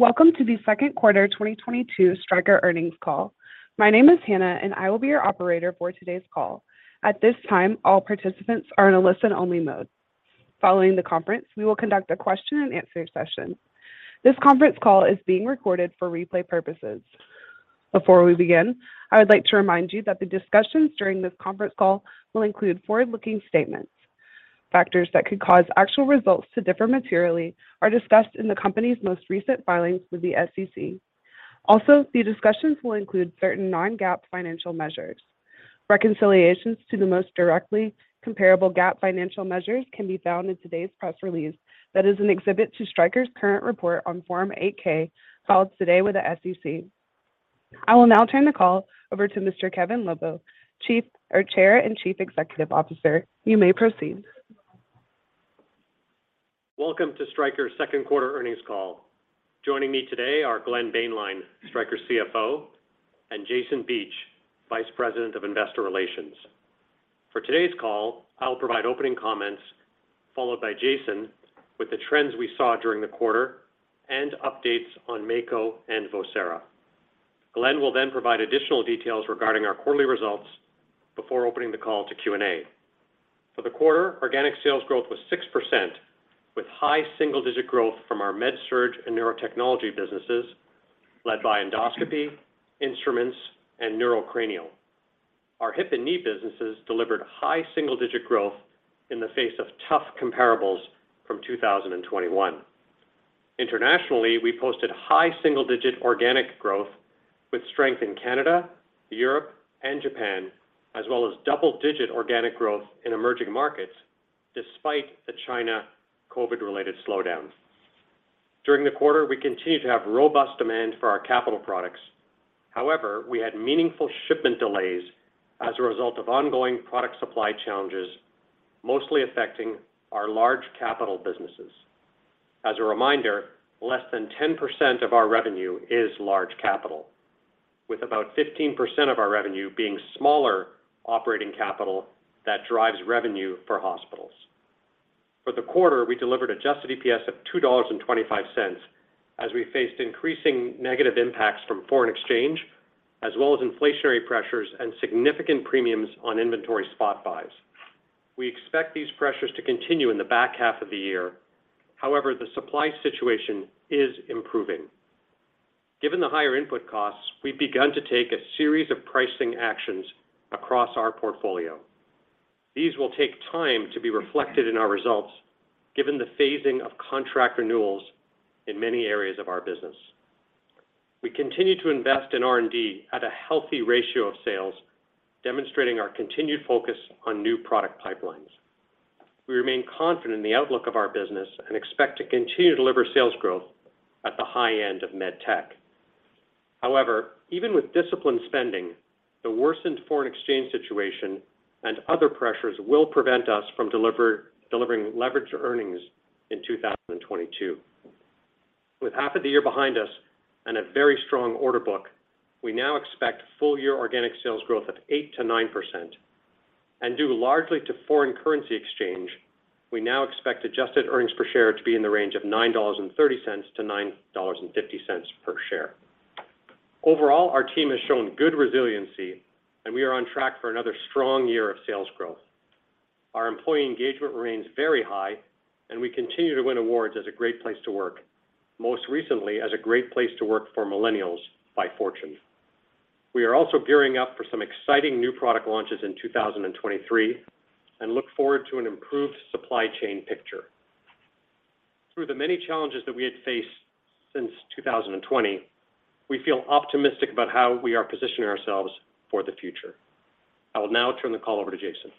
Welcome to the second quarter 2022 Stryker earnings call. My name is Hannah and I will be your operator for today's call. At this time, all participants are in a listen-only mode. Following the conference, we will conduct a question and answer session. This conference call is being recorded for replay purposes. Before we begin, I would like to remind you that the discussions during this conference call will include forward-looking statements. Factors that could cause actual results to differ materially are discussed in the company's most recent filings with the SEC. Also, the discussions will include certain non-GAAP financial measures. Reconciliations to the most directly comparable GAAP financial measures can be found in today's press release that is an exhibit to Stryker's current report on Form 8-K, filed today with the SEC. I will now turn the call over to Mr. Kevin Lobo, Chair and Chief Executive Officer. You may proceed. Welcome to Stryker's second quarter earnings call. Joining me today are Glenn Boehnlein, Stryker CFO, and Jason Beach, Vice President of Investor Relations. For today's call, I'll provide opening comments, followed by Jason with the trends we saw during the quarter and updates on Mako and Vocera. Glenn will then provide additional details regarding our quarterly results before opening the call to Q&A. For the quarter, organic sales growth was 6%, with high single-digit growth from our MedSurg and Neurotechnology businesses, led by endoscopy, instruments, and Neuro Cranial. Our hip and knee businesses delivered high single-digit growth in the face of tough comparables from 2021. Internationally, we posted high single-digit organic growth with strength in Canada, Europe, and Japan, as well as double-digit organic growth in emerging markets despite a China COVID-related slowdown. During the quarter, we continued to have robust demand for our capital products. However, we had meaningful shipment delays as a result of ongoing product supply challenges, mostly affecting our large capital businesses. As a reminder, less than 10% of our revenue is large capital, with about 15% of our revenue being smaller operating capital that drives revenue for hospitals. For the quarter, we delivered adjusted EPS of $2.25 as we faced increasing negative impacts from foreign exchange as well as inflationary pressures and significant premiums on inventory spot buys. We expect these pressures to continue in the back half of the year. However, the supply situation is improving. Given the higher input costs, we've begun to take a series of pricing actions across our portfolio. These will take time to be reflected in our results given the phasing of contract renewals in many areas of our business. We continue to invest in R&D at a healthy ratio of sales, demonstrating our continued focus on new product pipelines. We remain confident in the outlook of our business and expect to continue to deliver sales growth at the high end of med tech. However, even with disciplined spending, the worsened foreign exchange situation and other pressures will prevent us from delivering leveraged earnings in 2022. With half of the year behind us and a very strong order book, we now expect full year organic sales growth of 8%-9%. Due largely to foreign currency exchange, we now expect adjusted earnings per share to be in the range of $9.30-$9.50 per share. Overall, our team has shown good resiliency, and we are on track for another strong year of sales growth. Our employee engagement remains very high, and we continue to win awards as a great place to work. Most recently, as a great place to work for millennials by Fortune. We are also gearing up for some exciting new product launches in 2023 and look forward to an improved supply chain picture. Through the many challenges that we had faced since 2020, we feel optimistic about how we are positioning ourselves for the future. I will now turn the call over to Jason.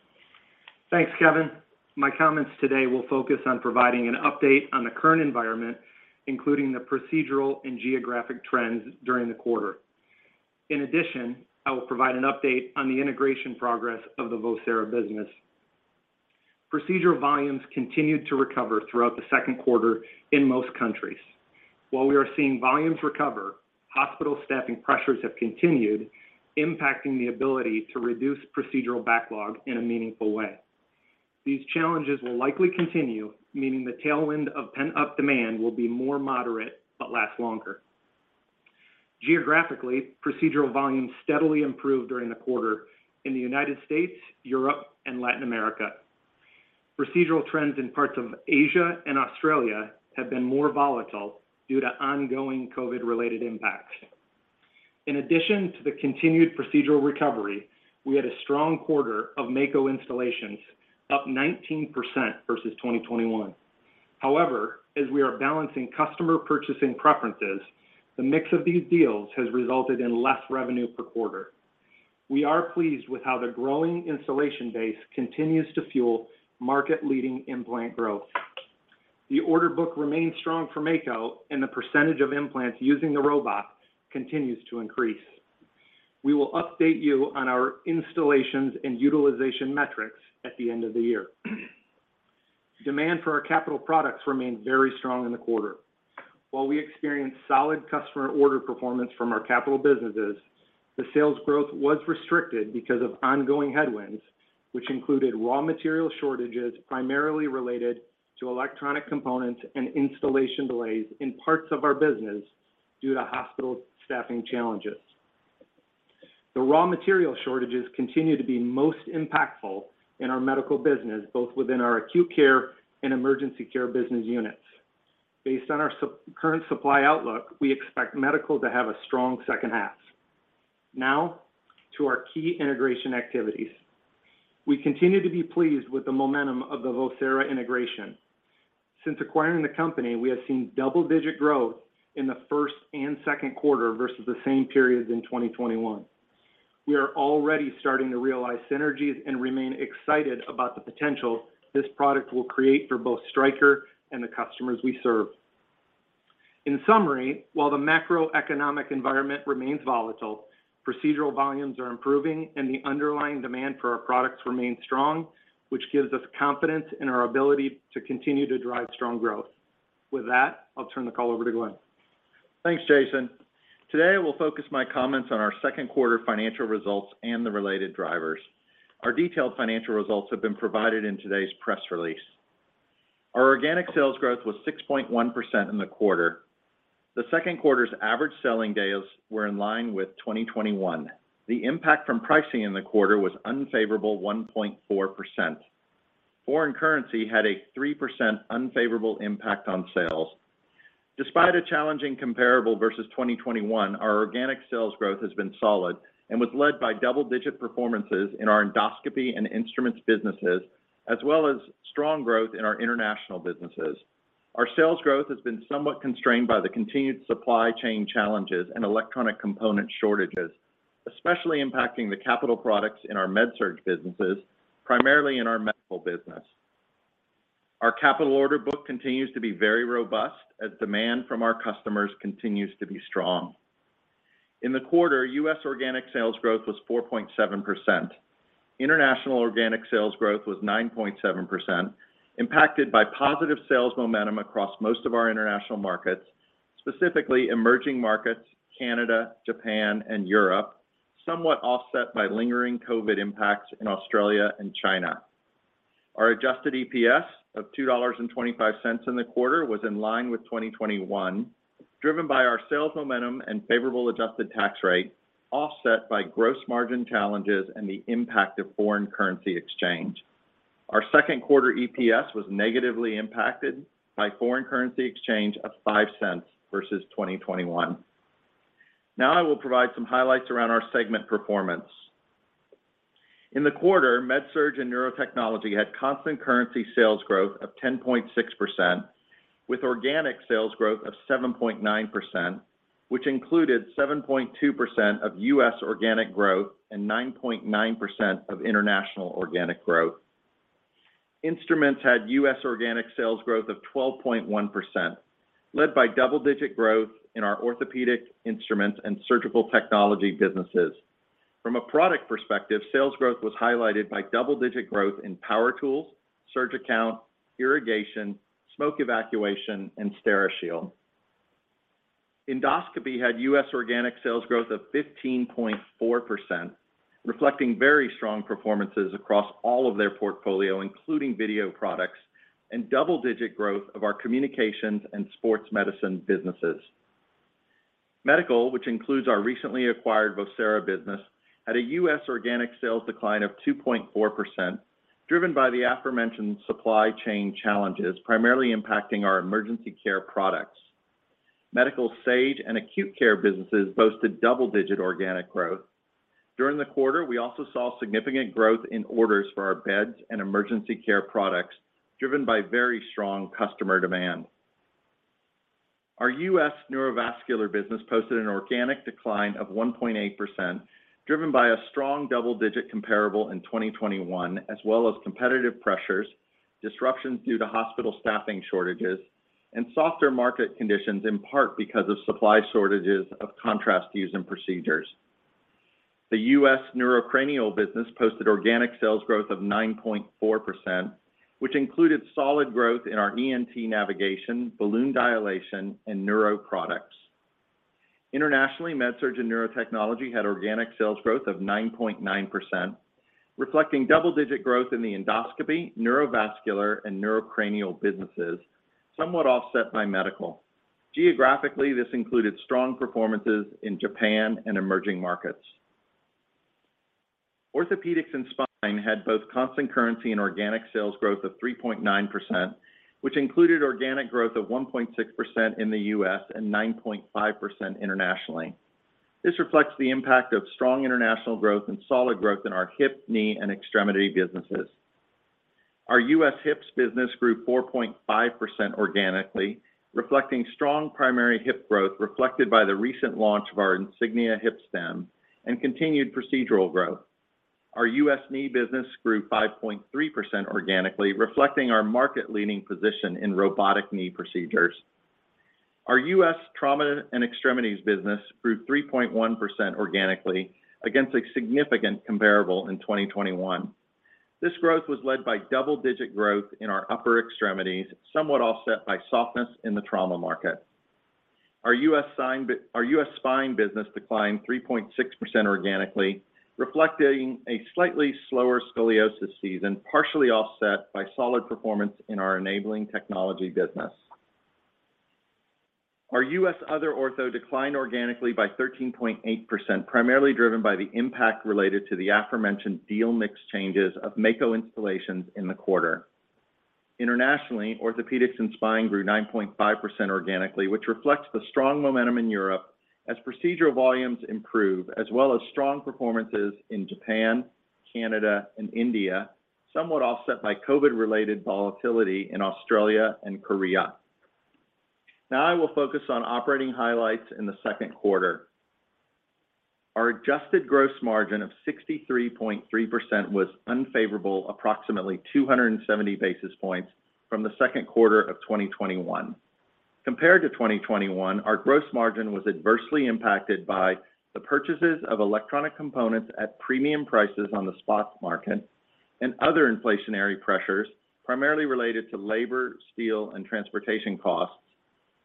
Thanks, Kevin. My comments today will focus on providing an update on the current environment, including the procedural and geographic trends during the quarter. In addition, I will provide an update on the integration progress of the Vocera business. Procedural volumes continued to recover throughout the second quarter in most countries. While we are seeing volumes recover, hospital staffing pressures have continued, impacting the ability to reduce procedural backlog in a meaningful way. These challenges will likely continue, meaning the tailwind of pent-up demand will be more moderate but last longer. Geographically, procedural volumes steadily improved during the quarter in the United States, Europe, and Latin America. Procedural trends in parts of Asia and Australia have been more volatile due to ongoing COVID-related impacts. In addition to the continued procedural recovery, we had a strong quarter of Mako installations, up 19% versus 2021. However, as we are balancing customer purchasing preferences, the mix of these deals has resulted in less revenue per quarter. We are pleased with how the growing installation base continues to fuel market-leading implant growth. The order book remains strong for Mako, and the percentage of implants using the robot continues to increase. We will update you on our installations and utilization metrics at the end of the year. Demand for our capital products remained very strong in the quarter. While we experienced solid customer order performance from our capital businesses. The sales growth was restricted because of ongoing headwinds, which included raw material shortages primarily related to electronic components and installation delays in parts of our business due to hospital staffing challenges. The raw material shortages continue to be most impactful in our medical business, both within our acute care and emergency care business units. Based on our current supply outlook, we expect Medical to have a strong second half. Now to our key integration activities. We continue to be pleased with the momentum of the Vocera integration. Since acquiring the company, we have seen double-digit growth in the first and second quarter versus the same periods in 2021. We are already starting to realize synergies and remain excited about the potential this product will create for both Stryker and the customers we serve. In summary, while the macroeconomic environment remains volatile, procedural volumes are improving and the underlying demand for our products remains strong, which gives us confidence in our ability to continue to drive strong growth. With that, I'll turn the call over to Glenn. Thanks, Jason. Today, I will focus my comments on our second quarter financial results and the related drivers. Our detailed financial results have been provided in today's press release. Our organic sales growth was 6.1% in the quarter. The second quarter's average selling days were in line with 2021. The impact from pricing in the quarter was unfavorable 1.4%. Foreign currency had a 3% unfavorable impact on sales. Despite a challenging comparable versus 2021, our organic sales growth has been solid and was led by double-digit performances in our endoscopy and instruments businesses, as well as strong growth in our international businesses. Our sales growth has been somewhat constrained by the continued supply chain challenges and electronic component shortages, especially impacting the capital products in our MedSurg businesses, primarily in our Medical business. Our capital order book continues to be very robust as demand from our customers continues to be strong. In the quarter, U.S. organic sales growth was 4.7%. International organic sales growth was 9.7%, impacted by positive sales momentum across most of our international markets, specifically emerging markets, Canada, Japan and Europe, somewhat offset by lingering COVID impacts in Australia and China. Our adjusted EPS of $2.25 in the quarter was in line with 2021, driven by our sales momentum and favorable adjusted tax rate, offset by gross margin challenges and the impact of foreign currency exchange. Our second quarter EPS was negatively impacted by foreign currency exchange of $0.05 versus 2021. Now I will provide some highlights around our segment performance. In the quarter, MedSurg and Neurotechnology had constant currency sales growth of 10.6%, with organic sales growth of 7.9%, which included 7.2% of U.S. organic growth and 9.9% of international organic growth. Instruments had U.S. organic sales growth of 12.1%, led by double-digit growth in our orthopedic instruments and surgical technology businesses. From a product perspective, sales growth was highlighted by double-digit growth in power tools, SurgiCount, irrigation, smoke evacuation and Steri-Shield. Endoscopy had U.S. organic sales growth of 15.4%, reflecting very strong performances across all of their portfolio, including video products and double-digit growth of our communications and sports medicine businesses. Medical, which includes our recently acquired Vocera business, had a U.S. organic sales decline of 2.4%, driven by the aforementioned supply chain challenges, primarily impacting our emergency care products. MedSurg and acute care businesses posted double-digit organic growth. During the quarter, we also saw significant growth in orders for our beds and emergency care products, driven by very strong customer demand. Our U.S. neurovascular business posted an organic decline of 1.8%, driven by a strong double-digit comparable in 2021, as well as competitive pressures, disruptions due to hospital staffing shortages, and softer market conditions, in part because of supply shortages of contrast used in procedures. The U.S. neurocranial business posted organic sales growth of 9.4%, which included solid growth in our ENT navigation, balloon dilation, and neuro products. Internationally, MedSurg and Neurotechnology had organic sales growth of 9.9%, reflecting double-digit growth in the endoscopy, neurovascular, and neurocranial businesses, somewhat offset by medical. Geographically, this included strong performances in Japan and emerging markets. Orthopedics and spine had both constant currency and organic sales growth of 3.9%, which included organic growth of 1.6% in the U.S. and 9.5% internationally. This reflects the impact of strong international growth and solid growth in our hip, knee, and extremity businesses. Our U.S. hips business grew 4.5% organically, reflecting strong primary hip growth reflected by the recent launch of our Insignia hip stem and continued procedural growth. Our U.S. knee business grew 5.3% organically, reflecting our market-leading position in robotic knee procedures. Our U.S. trauma and extremities business grew 3.1% organically against a significant comparable in 2021. This growth was led by double-digit growth in our upper extremities, somewhat offset by softness in the trauma market. Our U.S. spine business declined 3.6% organically, reflecting a slightly slower scoliosis season, partially offset by solid performance in our enabling technology business. Our U.S. Other Ortho declined organically by 13.8%, primarily driven by the impact related to the aforementioned deal mix changes of Mako installations in the quarter. Internationally, orthopedics and spine grew 9.5% organically, which reflects the strong momentum in Europe as procedural volumes improve, as well as strong performances in Japan, Canada, and India, somewhat offset by COVID-related volatility in Australia and Korea. Now I will focus on operating highlights in the second quarter. Our adjusted gross margin of 63.3% was unfavorable approximately 270 basis points from the second quarter of 2021. Compared to 2021, our gross margin was adversely impacted by the purchases of electronic components at premium prices on the spot market and other inflationary pressures primarily related to labor, steel, and transportation costs,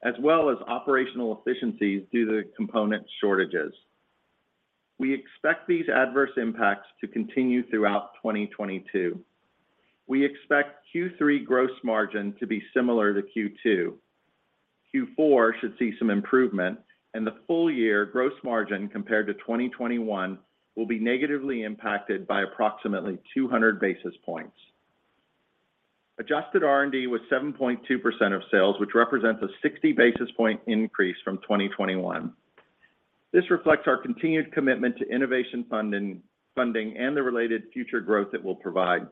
as well as operational efficiencies due to component shortages. We expect these adverse impacts to continue throughout 2022. We expect Q3 gross margin to be similar to Q2. Q4 should see some improvement, and the full year gross margin compared to 2021 will be negatively impacted by approximately 200 basis points. Adjusted R&D was 7.2% of sales, which represents a 60 basis point increase from 2021. This reflects our continued commitment to innovation funding and the related future growth it will provide.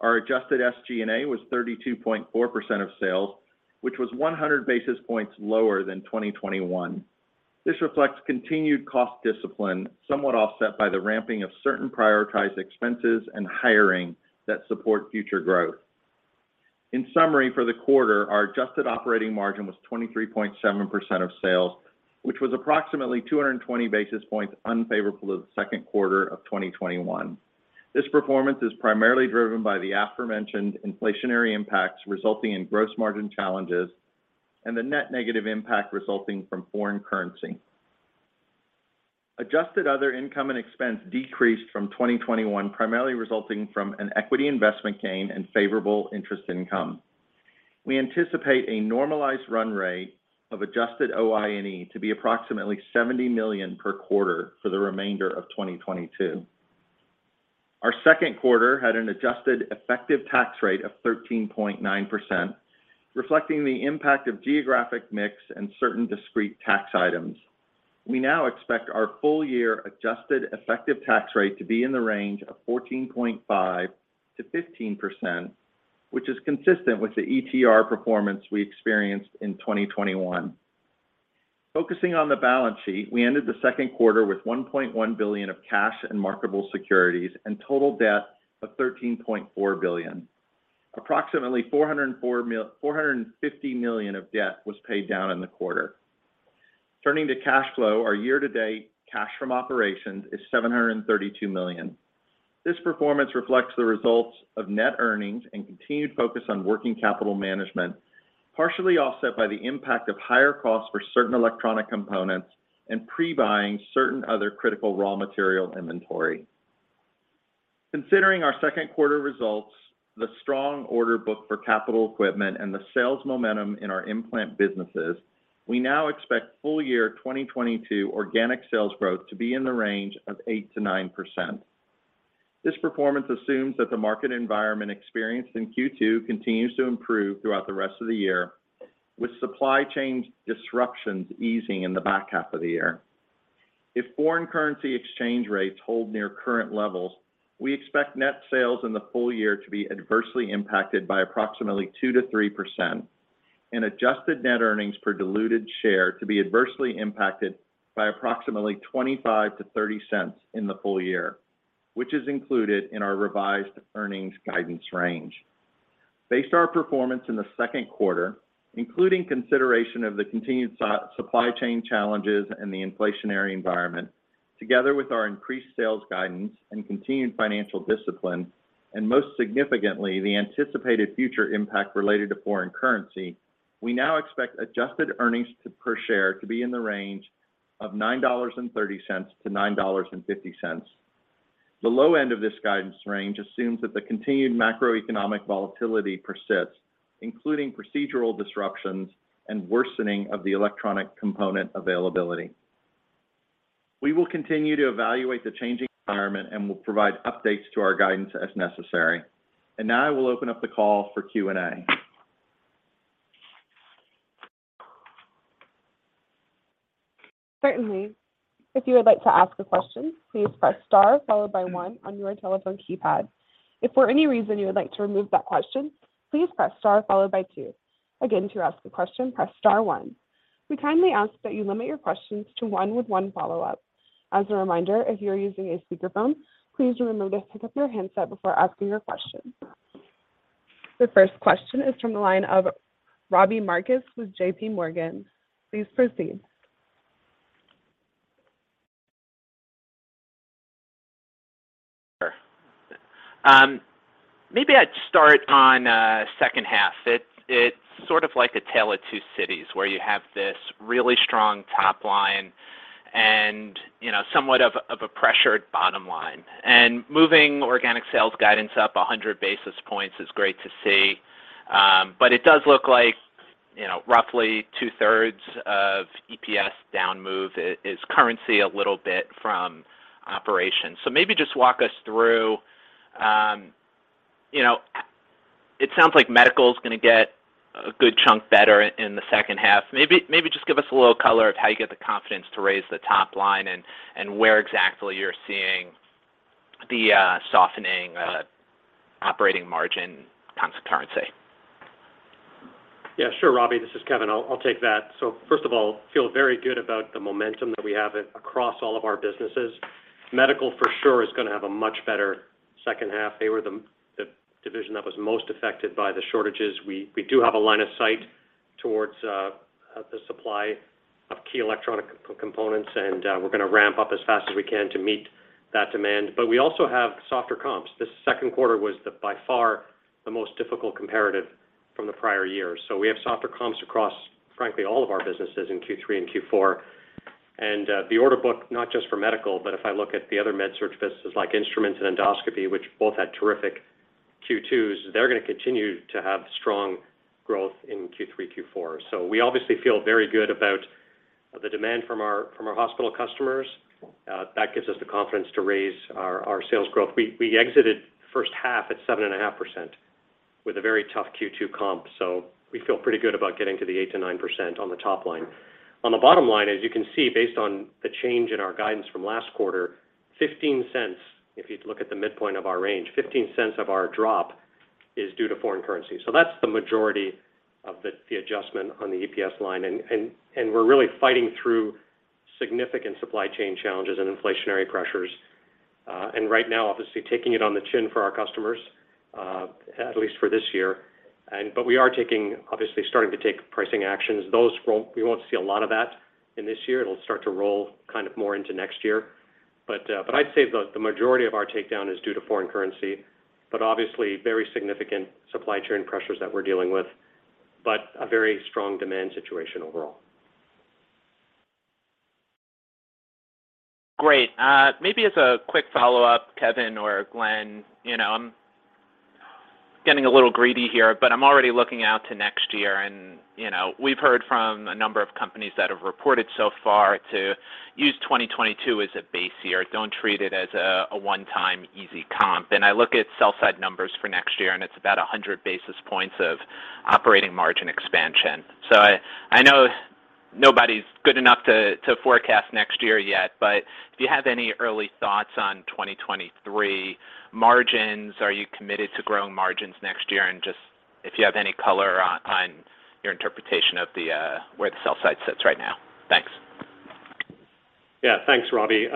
Our adjusted SG&A was 32.4% of sales, which was 100 basis points lower than 2021. This reflects continued cost discipline, somewhat offset by the ramping of certain prioritized expenses and hiring that support future growth. In summary, for the quarter, our adjusted operating margin was 23.7% of sales, which was approximately 220 basis points unfavorable to the second quarter of 2021. This performance is primarily driven by the aforementioned inflationary impacts resulting in gross margin challenges and the net negative impact resulting from foreign currency. Adjusted other income and expense decreased from 2021, primarily resulting from an equity investment gain and favorable interest income. We anticipate a normalized run rate of Adjusted OI&E to be approximately $70 million per quarter for the remainder of 2022. Our second quarter had an adjusted effective tax rate of 13.9%, reflecting the impact of geographic mix and certain discrete tax items. We now expect our full year adjusted effective tax rate to be in the range of 14.5%-15%, which is consistent with the ETR performance we experienced in 2021. Focusing on the balance sheet, we ended the second quarter with $1.1 billion of cash and marketable securities and total debt of $13.4 billion. Approximately $450 million of debt was paid down in the quarter. Turning to cash flow, our year-to-date cash from operations is $732 million. This performance reflects the results of net earnings and continued focus on working capital management, partially offset by the impact of higher costs for certain electronic components and pre-buying certain other critical raw material inventory. Considering our second quarter results, the strong order book for capital equipment, and the sales momentum in our implant businesses, we now expect full year 2022 organic sales growth to be in the range of 8%-9%. This performance assumes that the market environment experienced in Q2 continues to improve throughout the rest of the year, with supply chain disruptions easing in the back half of the year. If foreign currency exchange rates hold near current levels, we expect net sales in the full year to be adversely impacted by approximately 2%-3% and adjusted net earnings per diluted share to be adversely impacted by approximately $0.25-$0.30 in the full year, which is included in our revised earnings guidance range. Based on our performance in the second quarter, including consideration of the continued supply chain challenges and the inflationary environment, together with our increased sales guidance and continued financial discipline, and most significantly, the anticipated future impact related to foreign currency, we now expect adjusted earnings per share to be in the range of $9.30-$9.50. The low end of this guidance range assumes that the continued macroeconomic volatility persists, including procedural disruptions and worsening of the electronic component availability. We will continue to evaluate the changing environment and will provide updates to our guidance as necessary. Now I will open up the call for Q&A. Certainly. If you would like to ask a question, please press star followed by one on your telephone keypad. If for any reason you would like to remove that question, please press star followed by two. Again, to ask a question, press star one. We kindly ask that you limit your questions to one with one follow-up. As a reminder, if you are using a speakerphone, please remember to pick up your handset before asking your question. The first question is from the line of Robbie Marcus with JPMorgan. Please proceed. Sure. Maybe I'd start on second half. It's sort of like a tale of two cities, where you have this really strong top line and, you know, somewhat of a pressured bottom line. Moving organic sales guidance up 100 basis points is great to see, but it does look like, you know, roughly two-thirds of EPS down move is currency a little bit from operations. Maybe just walk us through. You know, it sounds like Medical's gonna get a good chunk better in the second half. Maybe just give us a little color of how you get the confidence to raise the top line and where exactly you're seeing the softening operating margin consensus. Yeah, sure, Robbie. This is Kevin. I'll take that. First of all, feel very good about the momentum that we have across all of our businesses. Medical for sure is gonna have a much better second half. They were the division that was most affected by the shortages. We do have a line of sight towards the supply of key electronic components, and we're gonna ramp up as fast as we can to meet that demand. But we also have softer comps. This second quarter was by far the most difficult comparative from the prior year. We have softer comps across, frankly, all of our businesses in Q3 and Q4. The order book, not just for Medical, but if I look at the other MedSurg businesses like Instruments and Endoscopy, which both had terrific Q2s, they're gonna continue to have strong growth in Q3, Q4. We obviously feel very good about the demand from our hospital customers. That gives us the confidence to raise our sales growth. We exited first half at 7.5% with a very tough Q2 comp. We feel pretty good about getting to the 8%-9% on the top line. On the bottom line, as you can see, based on the change in our guidance from last quarter, $0.15, if you look at the midpoint of our range, $0.15 of our drop is due to foreign currency. That's the majority of the adjustment on the EPS line. We're really fighting through significant supply chain challenges and inflationary pressures. Right now, obviously, taking it on the chin for our customers, at least for this year. We are starting to take pricing actions. Those won't. We won't see a lot of that in this year. It'll start to roll kind of more into next year. I'd say the majority of our takedown is due to foreign currency, but obviously very significant supply chain pressures that we're dealing with, but a very strong demand situation overall. Great. Maybe as a quick follow-up, Kevin or Glenn, you know, I'm getting a little greedy here, but I'm already looking out to next year and, you know, we've heard from a number of companies that have reported so far to use 2022 as a base year. Don't treat it as a one-time easy comp. I look at sell-side numbers for next year, and it's about 100 basis points of operating margin expansion. I know nobody's good enough to forecast next year yet, but if you have any early thoughts on 2023 margins, are you committed to growing margins next year? Just if you have any color on your interpretation of where the sell-side sits right now. Thanks. Yeah. Thanks, Robbie.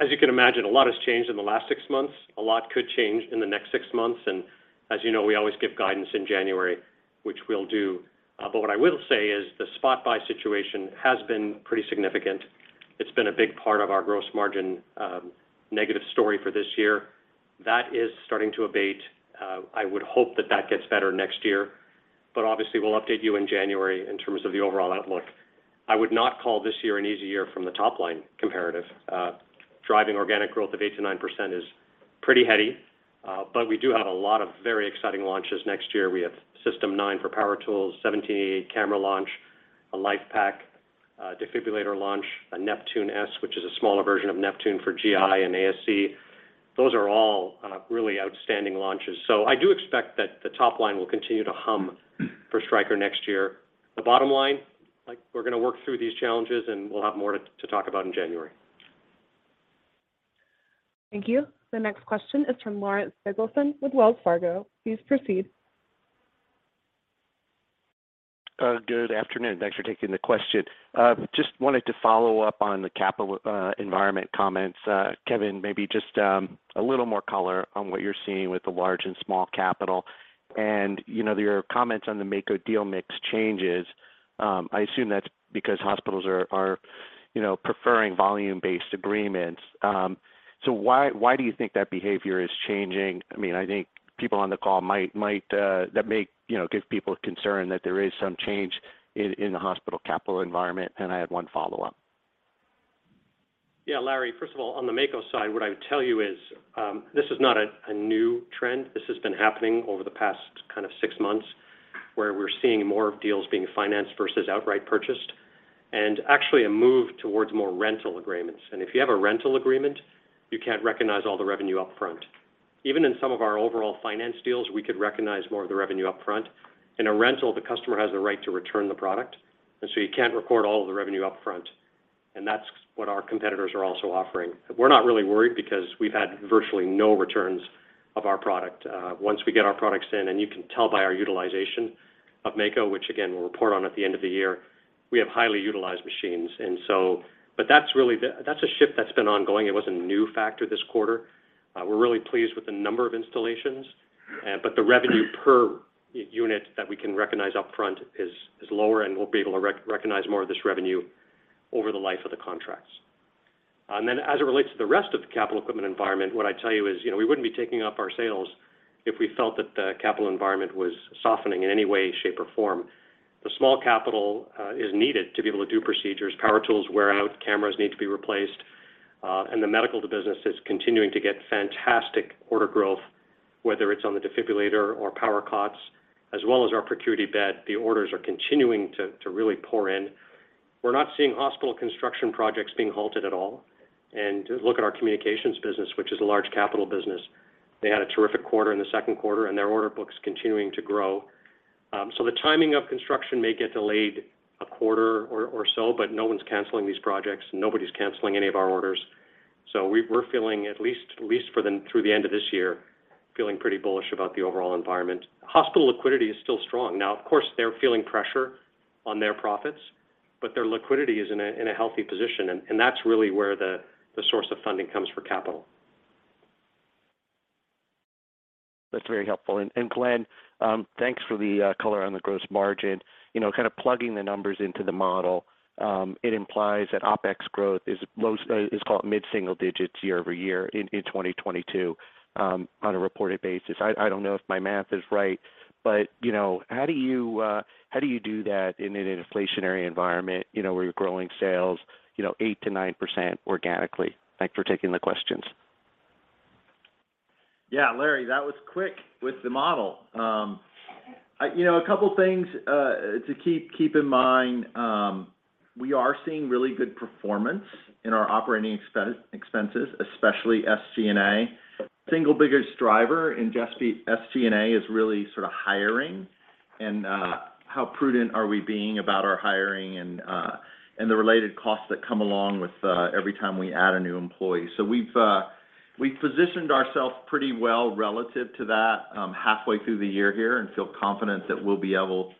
As you can imagine, a lot has changed in the last six months. A lot could change in the next six months. As you know, we always give guidance in January, which we'll do. What I will say is the spot buy situation has been pretty significant. It's been a big part of our gross margin negative story for this year. That is starting to abate. I would hope that gets better next year. Obviously, we'll update you in January in terms of the overall outlook. I would not call this year an easy year from the top line comparative. Driving organic growth of 8%-9% is pretty heady, but we do have a lot of very exciting launches next year. We have System 9 for power tools, 1788 camera launch, a LIFEPAK defibrillator launch, a Neptune S, which is a smaller version of Neptune for GI and ASC. Those are all really outstanding launches. I do expect that the top line will continue to hum for Stryker next year. The bottom line, like, we're gonna work through these challenges, and we'll have more to talk about in January. Thank you. The next question is from Larry Biegelsen with Wells Fargo. Please proceed. Good afternoon. Thanks for taking the question. Just wanted to follow up on the capital environment comments. Kevin, maybe just a little more color on what you're seeing with the large and small capital. You know, your comments on the Mako deal mix changes. I assume that's because hospitals are preferring volume-based agreements. So why do you think that behavior is changing? I mean, I think people on the call might that may give people concern that there is some change in the hospital capital environment. I had one follow-up. Yeah. Larry, first of all, on the Mako side, what I would tell you is, this is not a new trend. This has been happening over the past kind of six months, where we're seeing more deals being financed versus outright purchased, and actually a move towards more rental agreements. If you have a rental agreement, you can't recognize all the revenue up front. Even in some of our overall finance deals, we could recognize more of the revenue up front. In a rental, the customer has the right to return the product, and so you can't record all of the revenue up front, and that's what our competitors are also offering. We're not really worried because we've had virtually no returns of our product. Once we get our products in, and you can tell by our utilization of Mako, which again, we'll report on at the end of the year, we have highly utilized machines. But that's really the shift that's been ongoing. It wasn't a new factor this quarter. We're really pleased with the number of installations. The revenue per unit that we can recognize upfront is lower, and we'll be able to recognize more of this revenue over the life of the contracts. As it relates to the rest of the capital equipment environment, what I'd tell you is, you know, we wouldn't be ramping up our sales if we felt that the capital environment was softening in any way, shape, or form. The small capital is needed to be able to do procedures. Power tools wear out, cameras need to be replaced, and the medical business is continuing to get fantastic order growth, whether it's on the defibrillator or power cots, as well as our ProCuity bed, the orders are continuing to really pour in. We're not seeing hospital construction projects being halted at all. Look at our communications business, which is a large capital business. They had a terrific quarter in the second quarter, and their order book's continuing to grow. The timing of construction may get delayed a quarter or so, but no one's canceling these projects. Nobody's canceling any of our orders. We're feeling at least for them through the end of this year, feeling pretty bullish about the overall environment. Hospital liquidity is still strong. Now, of course, they're feeling pressure on their profits, but their liquidity is in a healthy position, and that's really where the source of funding comes for capital. That's very helpful. Glenn, thanks for the color on the gross margin. You know, kind of plugging the numbers into the model, it implies that OpEx growth is low, call it mid-single digits year-over-year in 2022, on a reported basis. I don't know if my math is right, but, you know, how do you do that in an inflationary environment, you know, where you're growing sales, you know, 8%-9% organically? Thanks for taking the questions. Yeah, Larry, that was quick with the model. You know, a couple things to keep in mind, we are seeing really good performance in our operating expenses, especially SG&A. Single biggest driver in just the SG&A is really sort of hiring and how prudent are we being about our hiring and the related costs that come along with every time we add a new employee. We've positioned ourselves pretty well relative to that, halfway through the year here and feel confident that we'll be able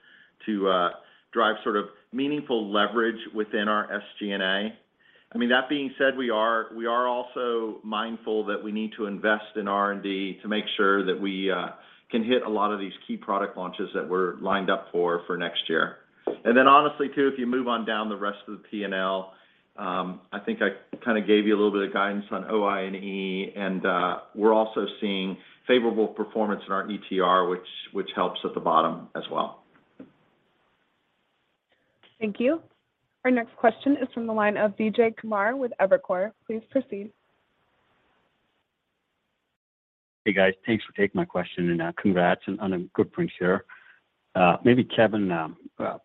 to drive sort of meaningful leverage within our SG&A. I mean, that being said, we are also mindful that we need to invest in R&D to make sure that we can hit a lot of these key product launches that we're lined up for next year. Honestly, too, if you move on down the rest of the P&L, I think I kind of gave you a little bit of guidance on OI&E, and we're also seeing favorable performance in our ETR, which helps at the bottom as well. Thank you. Our next question is from the line of Vijay Kumar with Evercore. Please proceed. Hey, guys. Thanks for taking my question, and congrats on a good print share. Maybe Kevin,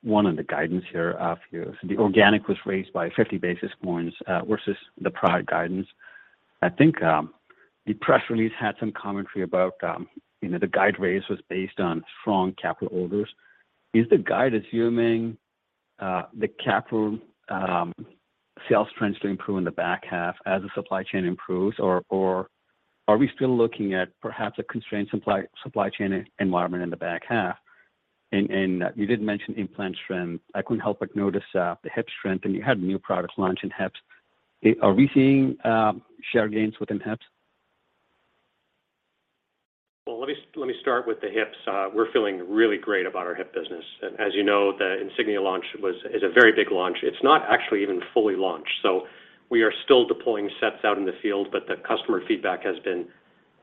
one on the guidance here. For you. The organic was raised by 50 basis points versus the prior guidance. I think the press release had some commentary about, you know, the guide raise was based on strong capital orders. Is the guide assuming the capital sales trends to improve in the back half as the supply chain improves? Or are we still looking at perhaps a constrained supply chain environment in the back half? And you did mention implant strength. I couldn't help but notice the hip strength, and you had new product launch in hips. Are we seeing share gains within hips? Well, let me start with the hips. We're feeling really great about our hip business. As you know, the Insignia launch is a very big launch. It's not actually even fully launched. We are still deploying sets out in the field, but the customer feedback has been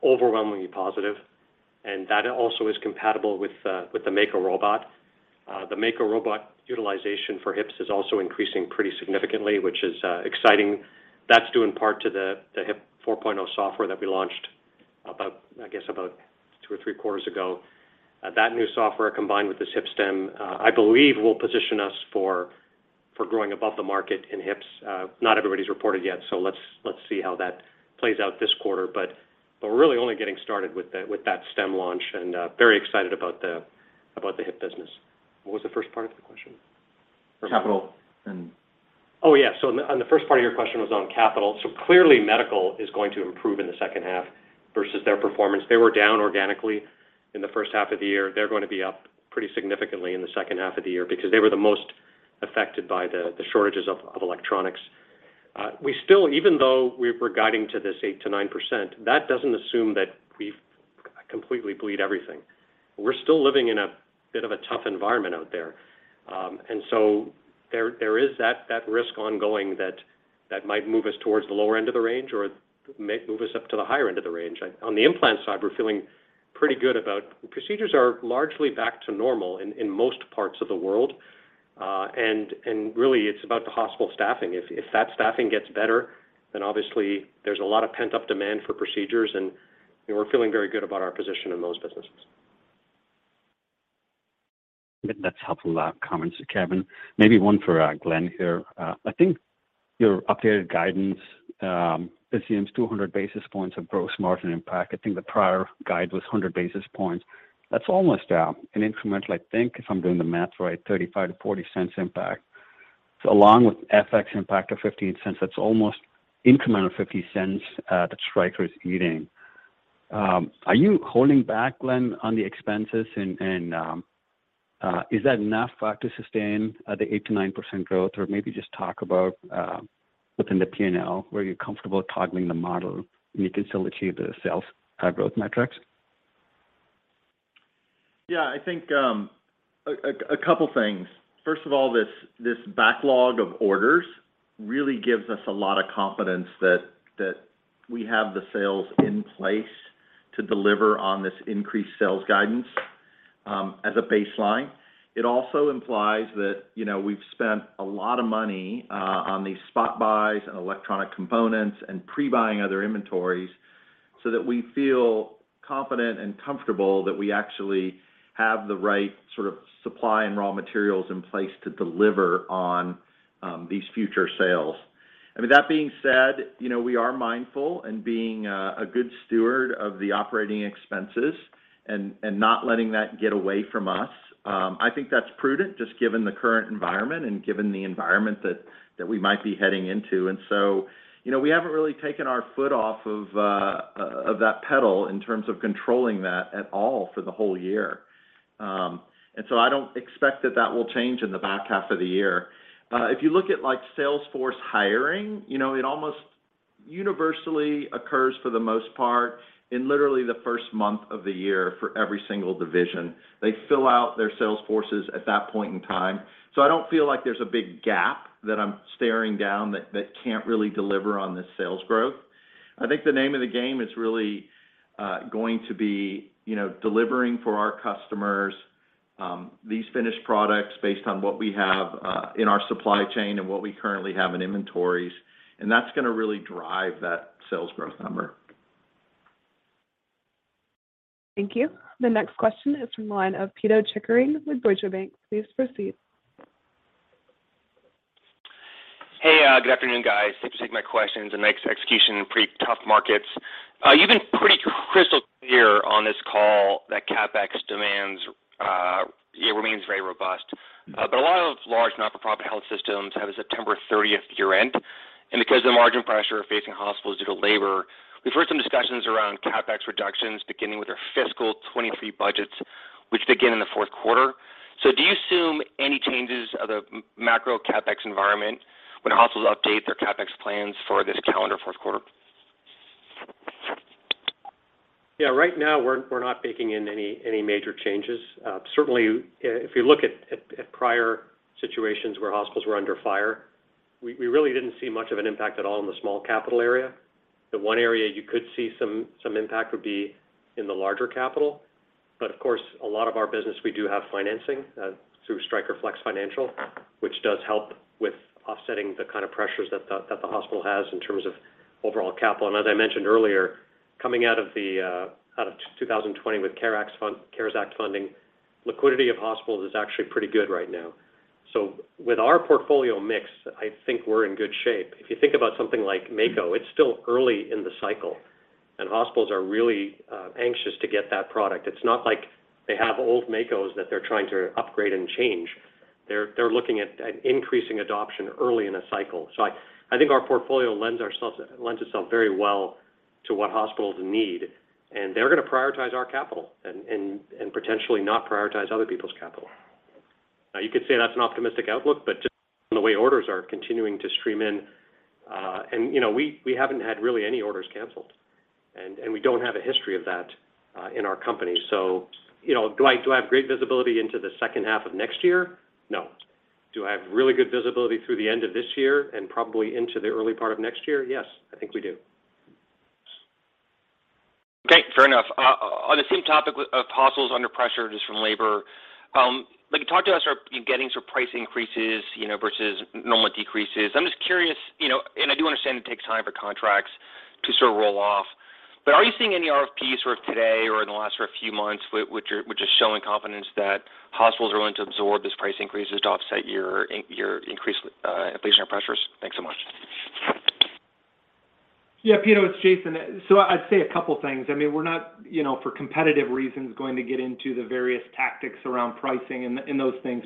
overwhelmingly positive. That also is compatible with the Mako robot. The Mako robot utilization for hips is also increasing pretty significantly, which is exciting. That's due in part to the Hip 4.0 software that we launched about, I guess, about two or three quarters ago. That new software combined with this hip stem, I believe will position us for growing above the market in hips. Not everybody's reported yet, so let's see how that plays out this quarter. We're really only getting started with that stem launch and very excited about the hip business. What was the first part of the question? Capital and. Oh, yeah. On the first part of your question was on capital. Clearly Medical is going to improve in the second half versus their performance. They were down organically in the first half of the year. They're going to be up pretty significantly in the second half of the year because they were the most affected by the shortages of electronics. We still, even though we're guiding to this 8%-9%, that doesn't assume that we've completely bleed everything. We're still living in a bit of a tough environment out there. There is that risk ongoing that might move us towards the lower end of the range or may move us up to the higher end of the range. On the implant side, we're feeling pretty good about procedures are largely back to normal in most parts of the world. Really, it's about the hospital staffing. If that staffing gets better, then obviously there's a lot of pent-up demand for procedures, and you know, we're feeling very good about our position in those businesses. That's helpful, comments, Kevin. Maybe one for Glenn here. I think your updated guidance assumes 200 basis points of gross margin impact. I think the prior guide was 100 basis points. That's almost an incremental, I think, if I'm doing the math right, $0.35-$0.40 impact. So along with FX impact of $0.15, that's almost incremental $0.50 that Stryker is eating. Are you holding back, Glenn, on the expenses and Is that enough to sustain the 8%-9% growth? Or maybe just talk about within the P&L, were you comfortable toggling the model and you can still achieve the sales growth metrics? Yeah. I think a couple things. First of all, this backlog of orders really gives us a lot of confidence that we have the sales in place to deliver on this increased sales guidance, as a baseline. It also implies that, you know, we've spent a lot of money on these spot buys and electronic components and pre-buying other inventories so that we feel confident and comfortable that we actually have the right sort of supply and raw materials in place to deliver on these future sales. I mean, that being said, you know, we are mindful in being a good steward of the operating expenses and not letting that get away from us. I think that's prudent just given the current environment and given the environment that we might be heading into. You know, we haven't really taken our foot off of that pedal in terms of controlling that at all for the whole year. I don't expect that will change in the back half of the year. If you look at, like, sales force hiring, you know, it almost universally occurs for the most part in literally the first month of the year for every single division. They fill out their sales forces at that point in time. I don't feel like there's a big gap that I'm staring down that can't really deliver on this sales growth. I think the name of the game is really going to be, you know, delivering for our customers these finished products based on what we have in our supply chain and what we currently have in inventories, and that's gonna really drive that sales growth number. Thank you. The next question is from the line of Pito Chickering with Deutsche Bank. Please proceed. Hey, good afternoon, guys. Thanks for taking my questions. A nice execution in pretty tough markets. You've been pretty crystal clear on this call that CapEx demands remains very robust. A lot of large not-for-profit health systems have a September 30th year-end, and because the margin pressure facing hospitals due to labor, we've heard some discussions around CapEx reductions beginning with their fiscal 2023 budgets, which begin in the fourth quarter. Do you assume any changes to the macro CapEx environment when hospitals update their CapEx plans for this calendar fourth quarter? Yeah. Right now we're not baking in any major changes. Certainly if you look at prior situations where hospitals were under fire, we really didn't see much of an impact at all in the small capital area. The one area you could see some impact would be in the larger capital, but of course, a lot of our business, we do have financing through Stryker Flex Financial, which does help with offsetting the kind of pressures that the hospital has in terms of overall capital. As I mentioned earlier, coming out of 2020 with CARES Act funding, liquidity of hospitals is actually pretty good right now. With our portfolio mix, I think we're in good shape. If you think about something like Mako, it's still early in the cycle, and hospitals are really anxious to get that product. It's not like they have old Makos that they're trying to upgrade and change. They're looking at increasing adoption early in a cycle. I think our portfolio lends itself very well to what hospitals need, and they're gonna prioritize our capital and potentially not prioritize other people's capital. Now, you could say that's an optimistic outlook, but just from the way orders are continuing to stream in, and you know, we haven't had really any orders canceled, and we don't have a history of that in our company. You know, do I have great visibility into the second half of next year? No. Do I have really good visibility through the end of this year and probably into the early part of next year? Yes, I think we do. Okay, fair enough. On the same topic of hospitals under pressure just from labor, like, can you talk to us, are you getting sort of price increases, you know, versus normal decreases? I'm just curious, you know, and I do understand it takes time for contracts to sort of roll off, but are you seeing any RFP sort of today or in the last sort of few months which is showing confidence that hospitals are willing to absorb these price increases to offset your increased inflationary pressures? Thanks so much. Yeah, Pito, it's Jason. I'd say a couple things. I mean, we're not, you know, for competitive reasons, going to get into the various tactics around pricing and those things.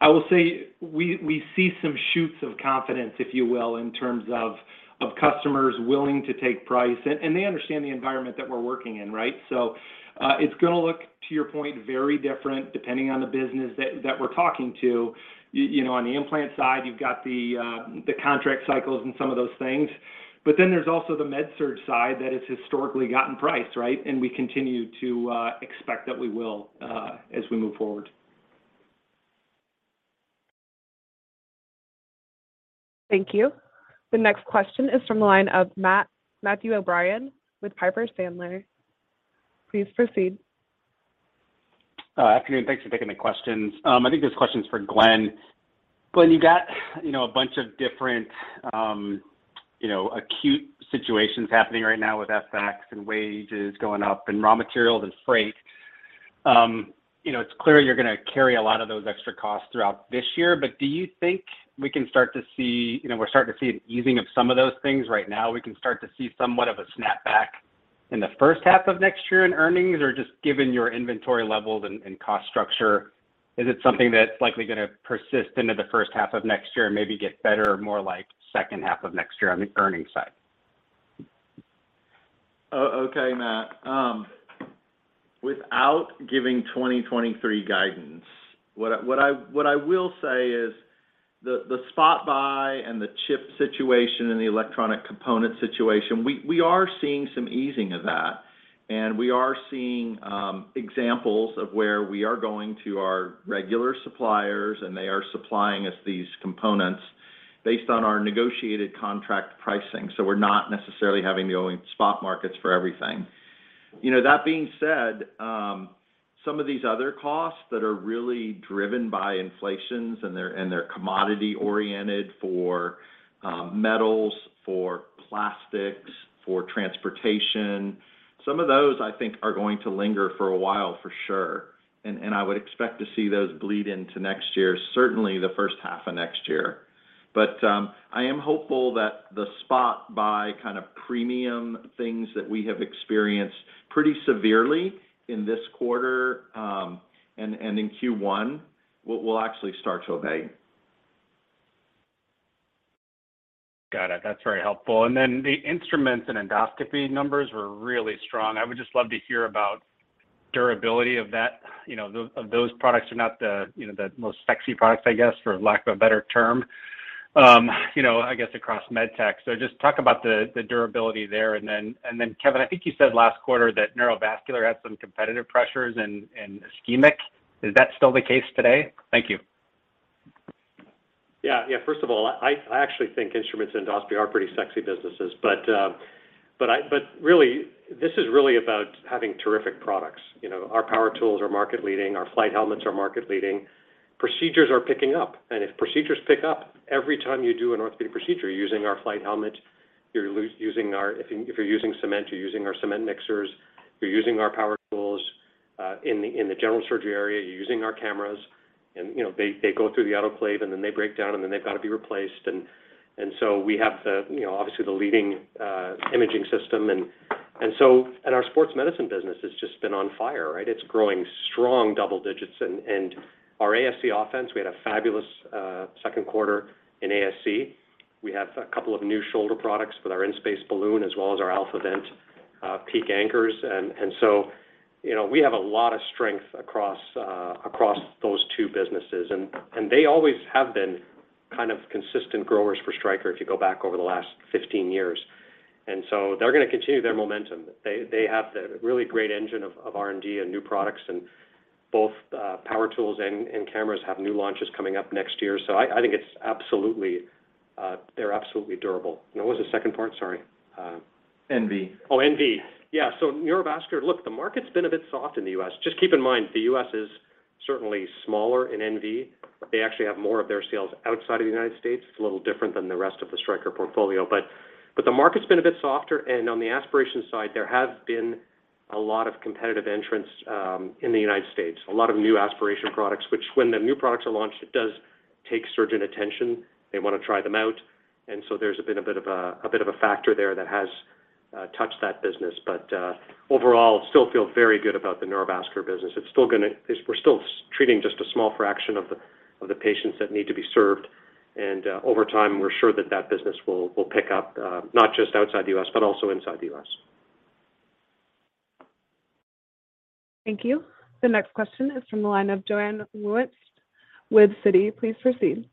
I will say we see some shoots of confidence, if you will, in terms of customers willing to take price. They understand the environment that we're working in, right? It's gonna look, to your point, very different depending on the business that we're talking to. You know, on the implant side, you've got the contract cycles and some of those things, but then there's also the MedSurg side that has historically gotten priced, right? We continue to expect that we will, as we move forward. Thank you. The next question is from the line of Matthew O'Brien with Piper Sandler. Please proceed. Afternoon. Thanks for taking the questions. I think this question is for Glenn. Glenn, you got, you know, a bunch of different, you know, acute situations happening right now with FX and wages going up and raw materials and freight. You know, it's clear you're gonna carry a lot of those extra costs throughout this year, but do you think we can start to see. You know, we're starting to see an easing of some of those things right now. We can start to see somewhat of a snapback in the first half of next year in earnings, or just given your inventory levels and cost structure, is it something that's likely gonna persist into the first half of next year and maybe get better more like second half of next year on the earnings side? Oh, okay, Matt. Without giving 2023 guidance, what I will say is the spot buy and the chip situation and the electronic component situation, we are seeing some easing of that. We are seeing examples of where we are going to our regular suppliers, and they are supplying us these components based on our negotiated contract pricing. We're not necessarily having to go into spot markets for everything. You know, that being said, some of these other costs that are really driven by inflation, and they're commodity-oriented for metals, for plastics, for transportation, some of those, I think, are going to linger for a while, for sure. I would expect to see those bleed into next year, certainly the first half of next year. I am hopeful that the spot buy kind of premium things that we have experienced pretty severely in this quarter, and in Q1, will actually start to abate. Got it. That's very helpful. The instruments and endoscopy numbers were really strong. I would just love to hear about durability of that. You know, those products are not the, you know, the most sexy products, I guess, for lack of a better term, you know, I guess, across med tech. Just talk about the durability there. Kevin, I think you said last quarter that neurovascular had some competitive pressures in ischemic. Is that still the case today? Thank you. Yeah, first of all, I actually think instruments and endoscopy are pretty sexy businesses. Really, this is really about having terrific products. You know, our power tools are market leading. Our light handles are market leading. Procedures are picking up, and if procedures pick up every time you do an orthopedic procedure using our light handle, you're using our. If you're using cement, you're using our cement mixers. You're using our power tools. In the general surgery area, you're using our cameras and, you know, they go through the autoclave, and then they break down, and then they've got to be replaced. And so we have the, you know, obviously the leading imaging system. Our sports medicine business has just been on fire, right? It's growing strong double digits. Our ASC offense, we had a fabulous second quarter in ASC. We have a couple of new shoulder products with our InSpace balloon as well as our AlphaVent PEEK anchors. You know, we have a lot of strength across those two businesses. They always have been kind of consistent growers for Stryker if you go back over the last 15 years. They're gonna continue their momentum. They have the really great engine of R&D and new products, and both power tools and cameras have new launches coming up next year. I think it's absolutely they're absolutely durable. What was the second part? Sorry. NV. Oh, NV. Yeah. Neurovascular, look, the market's been a bit soft in the U.S. Just keep in mind, the U.S. is certainly smaller in NV. They actually have more of their sales outside of the United States. It's a little different than the rest of the Stryker portfolio. The market's been a bit softer, and on the aspiration side, there has been a lot of competitive entrants in the United States. A lot of new aspiration products, which when the new products are launched, it does take surgeon attention. They wanna try them out. There's been a bit of a factor there that has touched that business. Overall, still feel very good about the neurovascular business. It's still gonna. We're still treating just a small fraction of the patients that need to be served. Over time, we're sure that that business will pick up, not just outside the U.S., but also inside the U.S. Thank you. The next question is from the line of Joanne Wuensch with Citi. Please proceed.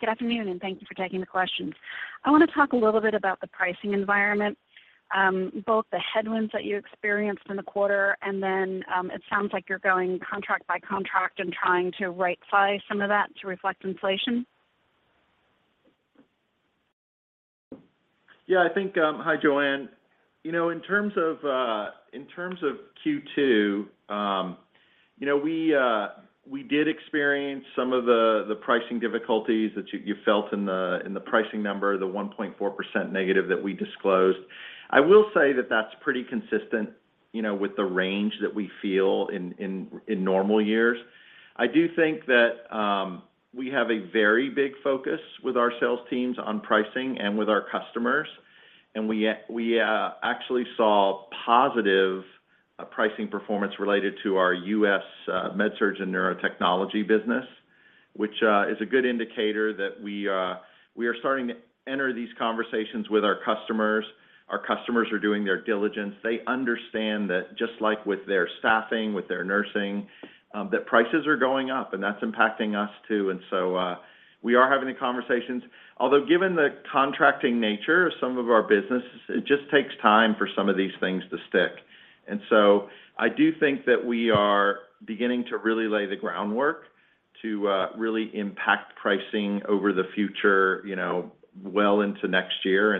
Good afternoon, and thank you for taking the questions. I wanna talk a little bit about the pricing environment, both the headwinds that you experienced in the quarter, and then, it sounds like you're going contract by contract and trying to right-size some of that to reflect inflation. Yeah, I think. Hi, Joanne. You know, in terms of Q2, you know, we did experience some of the pricing difficulties that you felt in the pricing number, the 1.4% negative that we disclosed. I will say that that's pretty consistent, you know, with the range that we feel in normal years. I do think that we have a very big focus with our sales teams on pricing and with our customers. We actually saw positive pricing performance related to our U.S. MedSurg and Neurotechnology business, which is a good indicator that we are starting to enter these conversations with our customers. Our customers are doing their diligence. They understand that just like with their staffing, with their nursing, that prices are going up, and that's impacting us too. We are having the conversations. Although, given the contracting nature of some of our business, it just takes time for some of these things to stick. I do think that we are beginning to really lay the groundwork to really impact pricing over the future, you know, well into next year.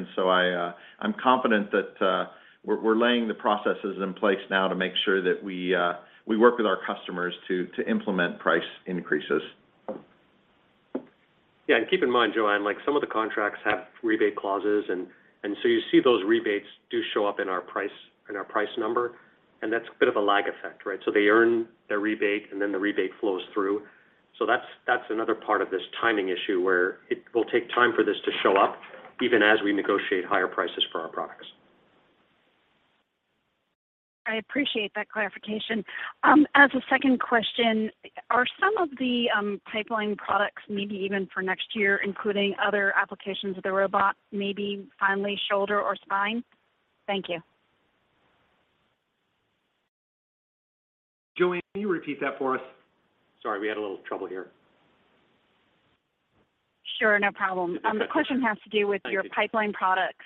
I'm confident that we're laying the processes in place now to make sure that we work with our customers to implement price increases. Yeah. Keep in mind, Joanne, like, some of the contracts have rebate clauses, and so you see those rebates do show up in our price number, and that's a bit of a lag effect, right? They earn their rebate, and then the rebate flows through. That's another part of this timing issue, where it will take time for this to show up, even as we negotiate higher prices for our products. I appreciate that clarification. As a second question, are some of the pipeline products maybe even for next year, including other applications of the robot, maybe finally shoulder or spine? Thank you. Joanne, can you repeat that for us? Sorry, we had a little trouble here. Sure. No problem. The question has to do with. Thank you. Your pipeline products,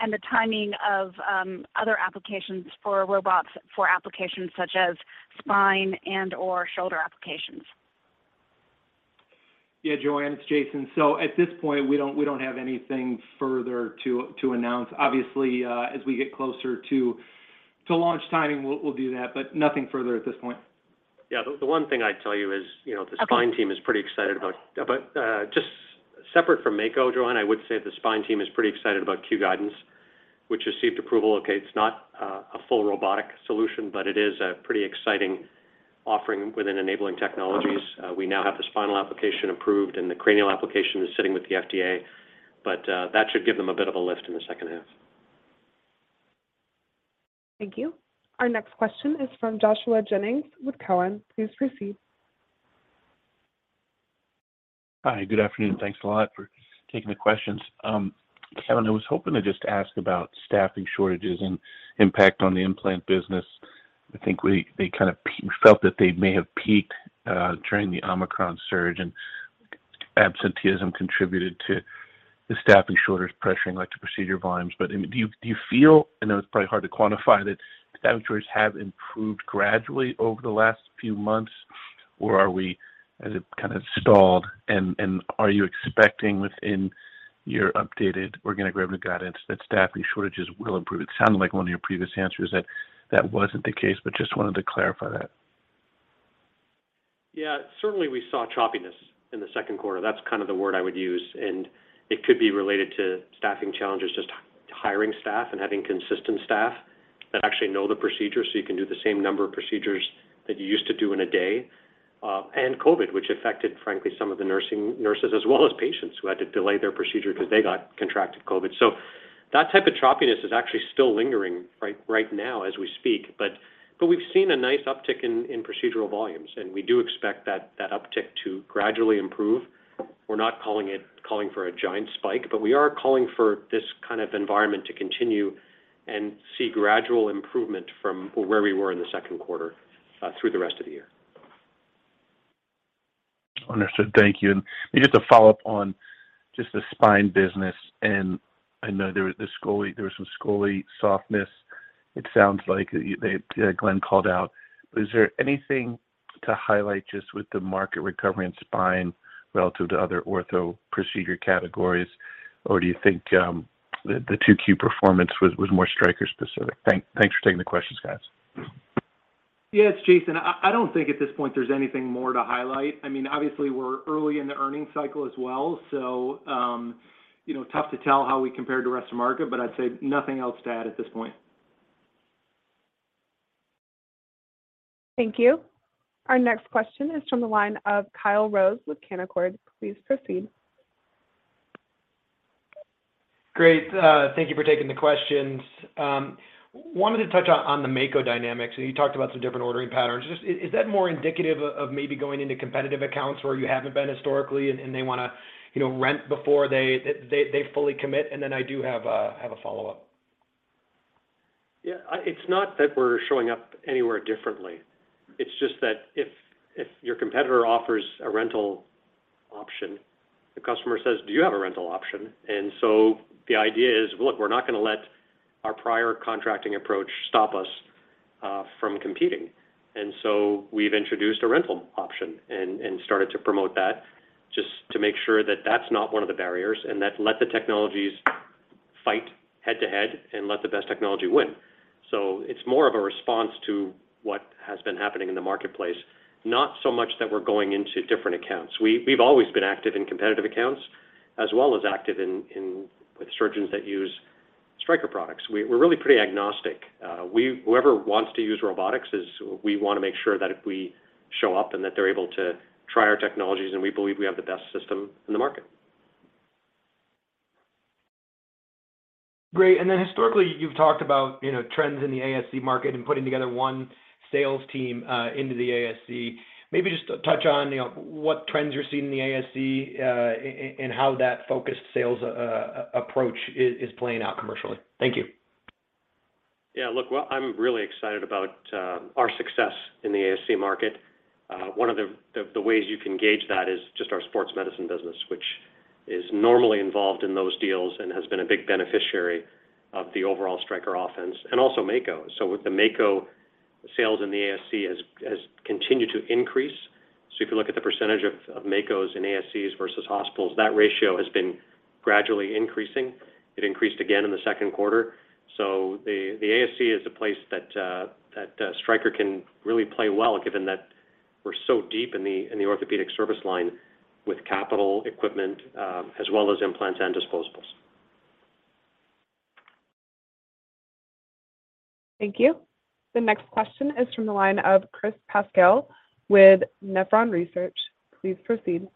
and the timing of other applications for robots for applications such as spine and/or shoulder applications. Yeah. Joanne, it's Jason. At this point, we don't have anything further to announce. Obviously, as we get closer to launch timing, we'll do that, but nothing further at this point. Yeah. The one thing I'd tell you is, you know. Okay Just separate from Mako, Joanne, I would say the spine team is pretty excited about Q Guidance, which received approval. Okay, it's not a full robotic solution, but it is a pretty exciting offering within enabling technologies. We now have the spinal application approved, and the cranial application is sitting with the FDA. That should give them a bit of a lift in the second half. Thank you. Our next question is from Joshua Jennings with Cowen. Please proceed. Hi, good afternoon. Thanks a lot for taking the questions. Kevin, I was hoping to just ask about staffing shortages and impact on the implant business. I think they kind of felt that they may have peaked during the Omicron surge, and absenteeism contributed to the staffing shortage pressuring elective procedure volumes. I mean, do you feel, I know it's probably hard to quantify, that the inventories have improved gradually over the last few months, or has it kind of stalled? And are you expecting within your updated organic revenue guidance that staffing shortages will improve? It sounded like one of your previous answers that that wasn't the case, but just wanted to clarify that. Yeah. Certainly we saw choppiness in the second quarter. That's kind of the word I would use, and it could be related to staffing challenges, just hiring staff and having consistent staff that actually know the procedure so you can do the same number of procedures that you used to do in a day. And COVID, which affected, frankly, some of the nurses as well as patients who had to delay their procedure because they got contracted COVID. So that type of choppiness is actually still lingering right now as we speak. But we've seen a nice uptick in procedural volumes, and we do expect that uptick to gradually improve. We're not calling for a giant spike, but we are calling for this kind of environment to continue and see gradual improvement from where we were in the second quarter through the rest of the year. Understood. Thank you. Just a follow-up on just the spine business. I know there was some scoli softness. It sounds like they, Glenn called out. Is there anything to highlight just with the market recovery and spine relative to Other Ortho procedure categories, or do you think the 2Q performance was more Stryker specific? Thanks for taking the questions, guys. It's Jason. I don't think at this point there's anything more to highlight. I mean, obviously we're early in the earnings cycle as well, so, you know, tough to tell how we compare to the rest of the market, but I'd say nothing else to add at this point. Thank you. Our next question is from the line of Kyle Rose with Canaccord. Please proceed. Great. Thank you for taking the questions. Wanted to touch on the Mako dynamics. You talked about some different ordering patterns. Just, is that more indicative of maybe going into competitive accounts where you haven't been historically and they wanna, you know, rent before they fully commit? I do have a follow-up. Yeah. It's not that we're showing up anywhere differently. It's just that if your competitor offers a rental option, the customer says, "Do you have a rental option?" The idea is, look, we're not gonna let our prior contracting approach stop us from competing. We've introduced a rental option and started to promote that just to make sure that that's not one of the barriers, and that let the technologies fight head to head and let the best technology win. It's more of a response to what has been happening in the marketplace, not so much that we're going into different accounts. We've always been active in competitive accounts as well as active in with surgeons that use Stryker products. We're really pretty agnostic. Whoever wants to use robotics, we wanna make sure that if we show up and that they're able to try our technologies, and we believe we have the best system in the market. Great. Then historically, you've talked about, you know, trends in the ASC market and putting together one sales team into the ASC. Maybe just touch on, you know, what trends you're seeing in the ASC and how that focused sales approach is playing out commercially. Thank you. Yeah. Look, well, I'm really excited about our success in the ASC market. One of the ways you can gauge that is just our sports medicine business, which is normally involved in those deals and has been a big beneficiary of the overall Stryker offensive and also Mako. With the Mako sales in the ASC has continued to increase. If you look at the percentage of Makos in ASCs versus hospitals, that ratio has been gradually increasing. It increased again in the second quarter. The ASC is a place that Stryker can really play well, given that we're so deep in the orthopedic service line with capital equipment, as well as implants and disposables. Thank you. The next question is from the line of Chris Pasquale with Nephron Research. Please proceed.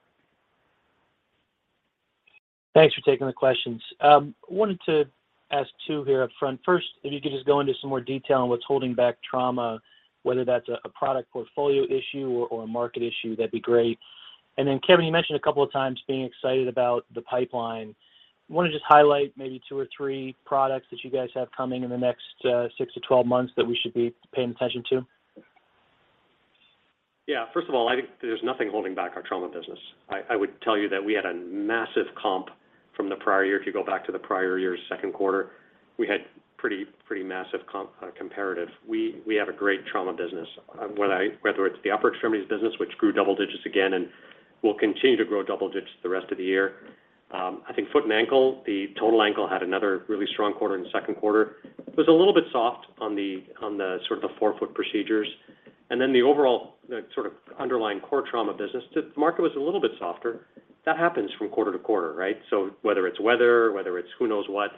Thanks for taking the questions. Wanted to ask two here up front. First, if you could just go into some more detail on what's holding back trauma, whether that's a product portfolio issue or a market issue, that'd be great. Kevin, you mentioned a couple of times being excited about the pipeline. Want to just highlight maybe two or three products that you guys have coming in the next 6-12 months that we should be paying attention to? Yeah. First of all, I think there's nothing holding back our trauma business. I would tell you that we had a massive comp from the prior year. If you go back to the prior year's second quarter, we had pretty massive comparative. We have a great trauma business. Whether it's the upper extremities business, which grew double digits again, and will continue to grow double digits the rest of the year. I think foot and ankle, the total ankle had another really strong quarter in the second quarter. It was a little bit soft on the sort of the forefoot procedures. Then the overall, the sort of underlying core trauma business, the market was a little bit softer. That happens from quarter to quarter, right? Whether it's weather, whether it's who knows what,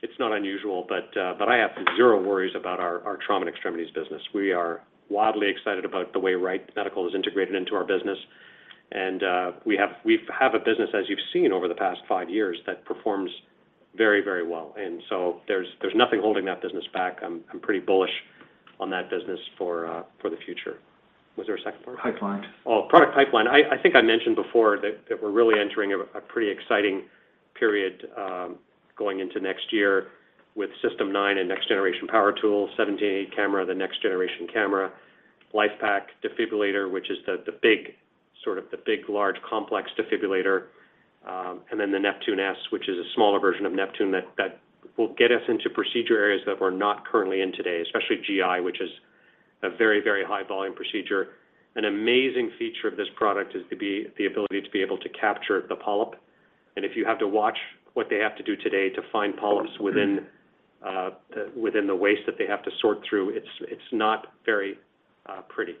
it's not unusual, but I have zero worries about our trauma and extremities business. We are wildly excited about the way Wright Medical is integrated into our business. We have a business, as you've seen over the past five years, that performs very, very well. There's nothing holding that business back. I'm pretty bullish on that business for the future. Was there a second part? Pipeline. Product pipeline. I think I mentioned before that we're really entering a pretty exciting period going into next year with System 9 and next generation power tool, 1788 camera, the next generation camera, LIFEPAK defibrillator, which is the big, large complex defibrillator, and then the Neptune S, which is a smaller version of Neptune that will get us into procedure areas that we're not currently in today, especially GI, which is a very, very high volume procedure. An amazing feature of this product is the ability to capture the polyp. If you have to watch what they have to do today to find polyps within the waste that they have to sort through, it's not very pretty.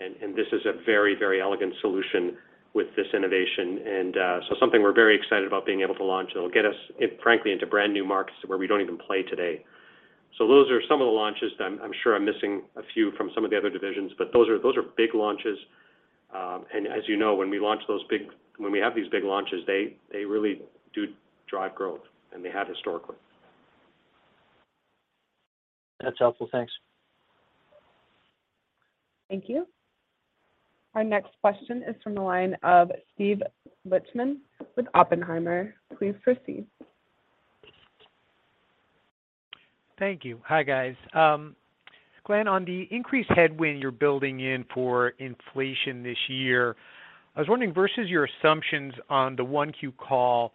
This is a very elegant solution with this innovation. Something we're very excited about being able to launch, and it'll get us frankly into brand new markets where we don't even play today. Those are some of the launches. I'm sure I'm missing a few from some of the other divisions, but those are big launches. As you know, when we have these big launches, they really do drive growth, and they have historically. That's helpful. Thanks. Thank you. Our next question is from the line of Steve Lichtman with Oppenheimer. Please proceed. Thank you. Hi, guys. Glenn, on the increased headwind you're building in for inflation this year, I was wondering, versus your assumptions on the 1Q call,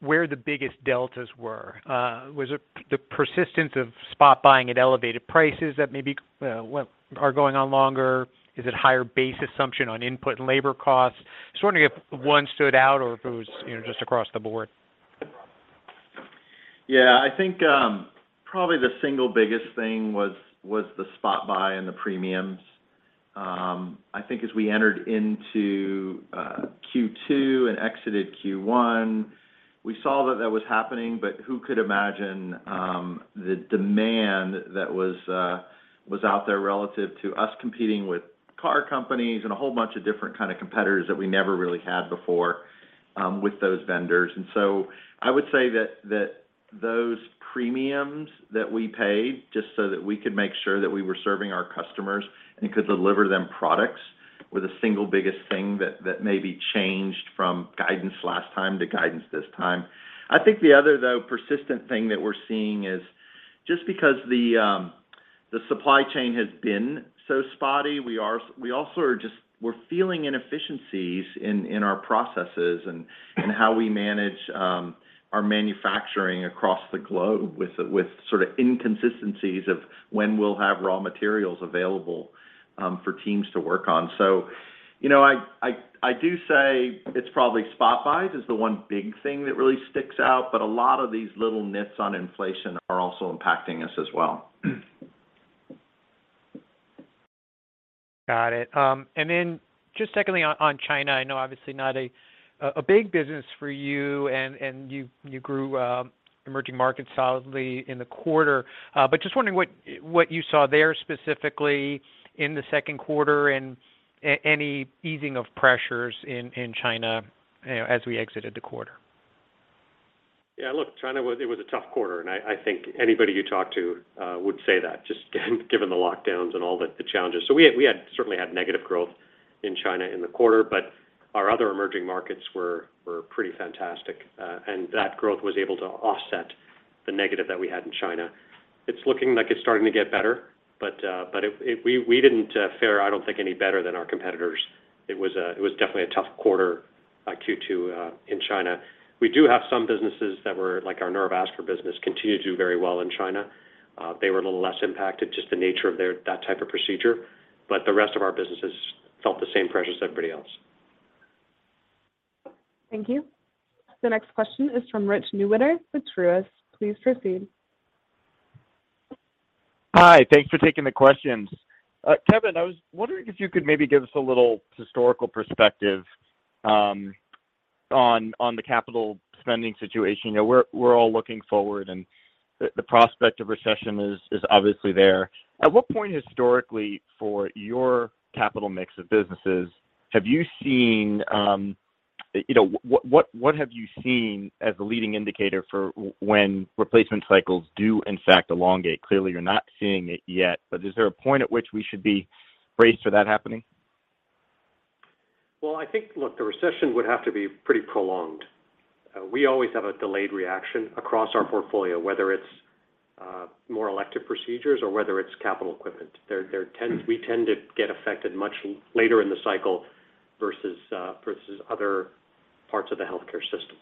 where the biggest deltas were. Was it the persistence of spot buying at elevated prices that maybe are going on longer? Is it higher base assumption on input and labor costs? Just wondering if one stood out or if it was, you know, just across the board. Yeah. I think probably the single biggest thing was the spot buy and the premiums. I think as we entered into Q2 and exited Q1, we saw that was happening, but who could imagine the demand that was out there relative to us competing with car companies and a whole bunch of different kind of competitors that we never really had before with those vendors. I would say that those premiums that we paid just so that we could make sure that we were serving our customers and could deliver them products were the single biggest thing that maybe changed from guidance last time to guidance this time. I think the other though, persistent thing that we're seeing is just because the supply chain has been so spotty, we're feeling inefficiencies in our processes and how we manage our manufacturing across the globe with sort of inconsistencies of when we'll have raw materials available for teams to work on. You know, I do say it's probably spot buys is the one big thing that really sticks out, but a lot of these little nits on inflation are also impacting us as well. Got it. Just secondly on China, I know obviously not a big business for you and you grew emerging markets solidly in the quarter. But just wondering what you saw there specifically in the second quarter and any easing of pressures in China, you know, as we exited the quarter. Yeah, look, it was a tough quarter, and I think anybody you talk to would say that just given the lockdowns and all the challenges. We had certainly had negative growth in China in the quarter, but our other emerging markets were pretty fantastic. That growth was able to offset the negative that we had in China. It's looking like it's starting to get better, but we didn't fare, I don't think, any better than our competitors. It was definitely a tough quarter, Q2, in China. We do have some businesses like our neurovascular business continued to do very well in China. They were a little less impacted, just the nature of that type of procedure, but the rest of our businesses felt the same pressure as everybody else. Thank you. The next question is from Rich Newitter with Truist. Please proceed. Hi. Thanks for taking the questions. Kevin, I was wondering if you could maybe give us a little historical perspective on the capital spending situation. You know, we're all looking forward, and the prospect of recession is obviously there. At what point historically for your capital mix of businesses have you seen, You know, what have you seen as the leading indicator for when replacement cycles do in fact elongate? Clearly, you're not seeing it yet, but is there a point at which we should be braced for that happening? Well, I think. Look, the recession would have to be pretty prolonged. We always have a delayed reaction across our portfolio, whether it's more elective procedures or whether it's capital equipment. We tend to get affected much later in the cycle versus other parts of the healthcare system.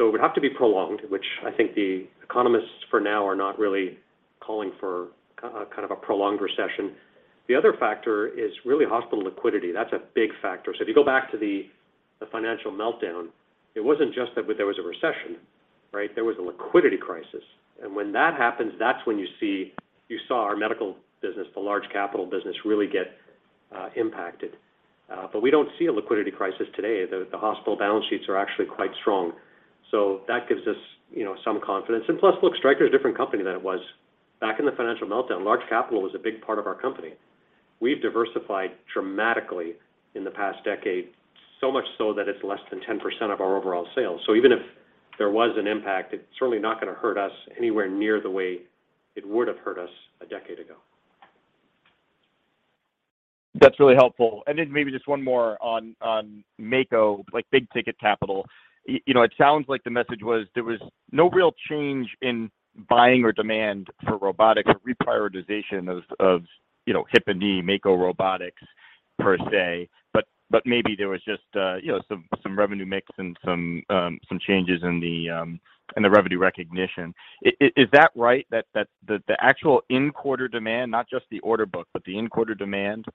It would have to be prolonged, which I think the economists for now are not really calling for a kind of a prolonged recession. The other factor is really hospital liquidity. That's a big factor. If you go back to the financial meltdown, it wasn't just that there was a recession, right? There was a liquidity crisis. When that happens, that's when you saw our Medical business, the large capital business, really get impacted. We don't see a liquidity crisis today. The hospital balance sheets are actually quite strong. That gives us, you know, some confidence. Plus, look, Stryker is a different company than it was back in the financial meltdown. Large capital was a big part of our company. We've diversified dramatically in the past decade, so much so that it's less than 10% of our overall sales. Even if there was an impact, it's certainly not going to hurt us anywhere near the way it would have hurt us a decade ago. That's really helpful. Maybe just one more on Mako, like, big ticket capital. You know, it sounds like the message was there was no real change in buying or demand for robotics reprioritization of, you know, hip and knee Mako robotics per se. Maybe there was just, you know, some revenue mix and some changes in the revenue recognition. Is that right? That the actual in-quarter demand, not just the order book, but the in-quarter demand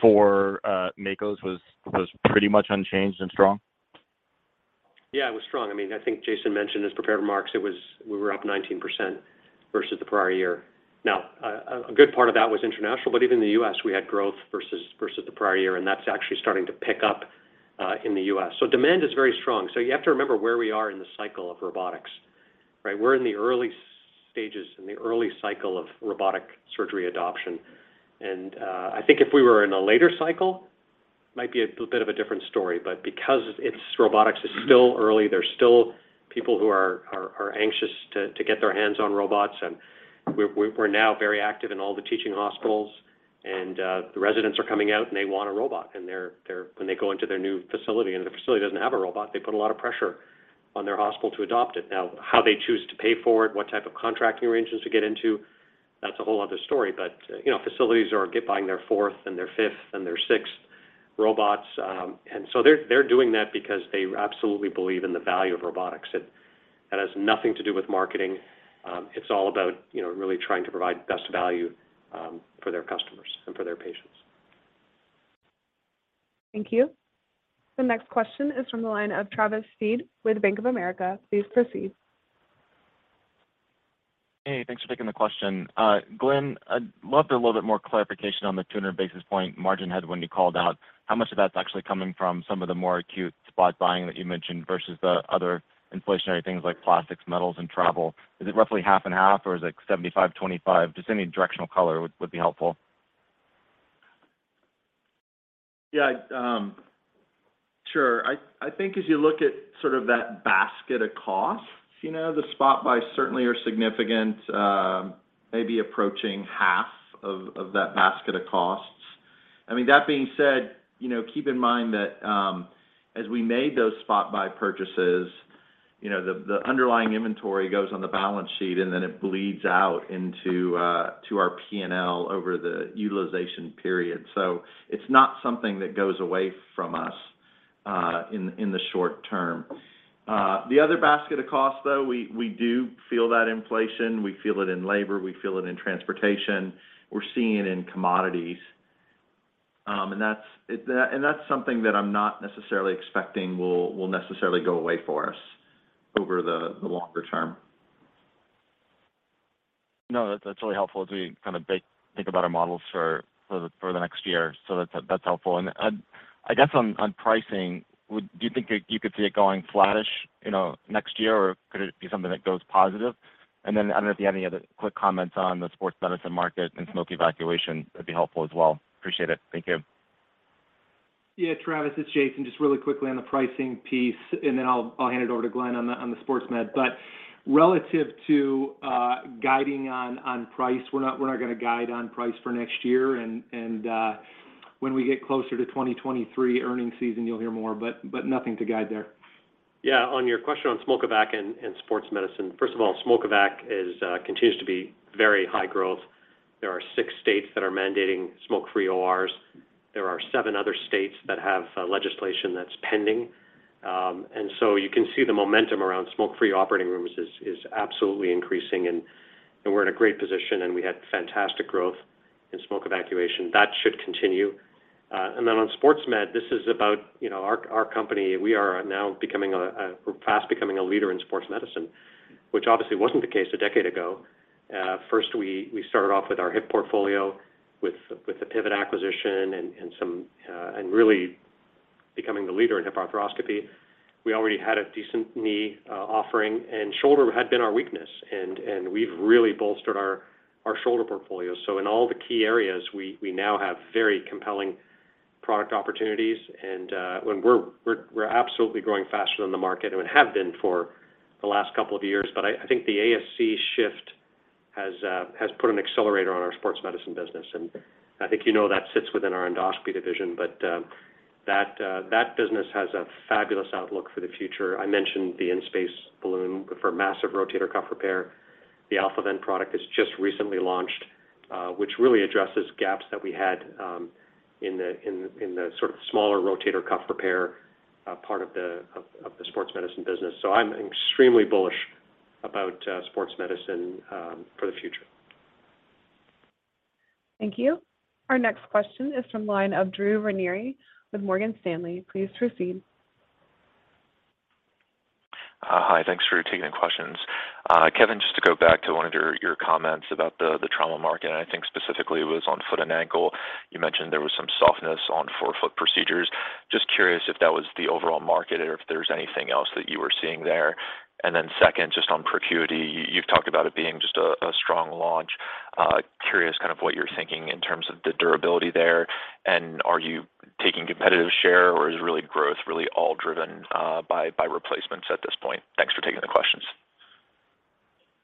for Makos was pretty much unchanged and strong? Yeah, it was strong. I mean, I think Jason mentioned his prepared remarks. It was. We were up 19% versus the prior year. Now, a good part of that was international, but even in the U.S., we had growth versus the prior year, and that's actually starting to pick up in the U.S. So demand is very strong. So you have to remember where we are in the cycle of robotics, right? We're in the early stages, in the early cycle of robotic surgery adoption. I think if we were in a later cycle, might be a bit of a different story. But because robotics is still early, there's still people who are anxious to get their hands on robots. We're now very active in all the teaching hospitals and the residents are coming out and they want a robot. When they go into their new facility and the facility doesn't have a robot, they put a lot of pressure on their hospital to adopt it. Now, how they choose to pay for it, what type of contracting arrangements to get into, that's a whole other story. You know, facilities are buying their fourth and their fifth and their sixth robots. They're doing that because they absolutely believe in the value of robotics. It has nothing to do with marketing. It's all about, you know, really trying to provide best value for their customers and for their patients. Thank you. The next question is from the line of Travis Steed with Bank of America. Please proceed. Hey, thanks for taking the question. Glenn, I'd love a little bit more clarification on the 200 basis point margin headwind when you called out. How much of that's actually coming from some of the more acute spot buying that you mentioned versus the other inflationary things like plastics, metals, and travel? Is it roughly half and half or is it 75-25? Just any directional color would be helpful. Yeah, sure. I think as you look at sort of that basket of costs, you know, the spot buys certainly are significant, maybe approaching half of that basket of costs. I mean, that being said, you know, keep in mind that as we made those spot buy purchases, you know, the underlying inventory goes on the balance sheet and then it bleeds out into our P&L over the utilization period. So it's not something that goes away from us in the short term. The other basket of costs, though, we do feel that inflation. We feel it in labor, we feel it in transportation, we're seeing it in commodities. That's something that I'm not necessarily expecting will necessarily go away for us over the longer term. No, that's really helpful as we kind of think about our models for the next year. That's helpful. I guess on pricing, do you think you could see it going flattish, you know, next year, or could it be something that goes positive? Then I don't know if you have any other quick comments on the sports medicine market and Smoke Evacuation, that'd be helpful as well. Appreciate it. Thank you. Yeah. Travis, it's Jason. Just really quickly on the pricing piece, and then I'll hand it over to Glenn on the sports med. Relative to guiding on price, we're not going to guide on price for next year. When we get closer to 2023 earnings season, you'll hear more, but nothing to guide there. Yeah. On your question on Smoke Evac and sports medicine, first of all, Smoke Evac continues to be very high growth. There are six states that are mandating smoke-free ORs. There are seven other states that have legislation that's pending. You can see the momentum around smoke-free operating rooms is absolutely increasing. We're in a great position, and we had fantastic growth in smoke evacuation. That should continue. On sports med, this is about, you know, our company. We are now fast becoming a leader in sports medicine, which obviously wasn't the case a decade ago. First, we started off with our hip portfolio with the Pivot acquisition and some really becoming the leader in hip arthroscopy. We already had a decent knee offering, and shoulder had been our weakness. We've really bolstered our shoulder portfolio. In all the key areas, we now have very compelling product opportunities, and we're absolutely growing faster than the market and have been for the last couple of years. I think the ASC shift has put an accelerator on our sports medicine business. I think you know that sits within our endoscopy division, but that business has a fabulous outlook for the future. I mentioned the InSpace balloon for massive rotator cuff repair. The AlphaVent product has just recently launched, which really addresses gaps that we had in the sort of smaller rotator cuff repair part of the sports medicine business. I'm extremely bullish about sports medicine for the future. Thank you. Our next question is from the line of Drew Ranieri with Morgan Stanley. Please proceed. Hi, thanks for taking the questions. Kevin, just to go back to one of your comments about the trauma market, and I think specifically it was on foot and ankle. You mentioned there was some softness on forefoot procedures. Just curious if that was the overall market or if there's anything else that you were seeing there. Then second, just on ProCuity, you've talked about it being just a strong launch. Curious kind of what you're thinking in terms of the durability there, and are you taking competitive share, or is growth really all driven by replacements at this point? Thanks for taking the questions.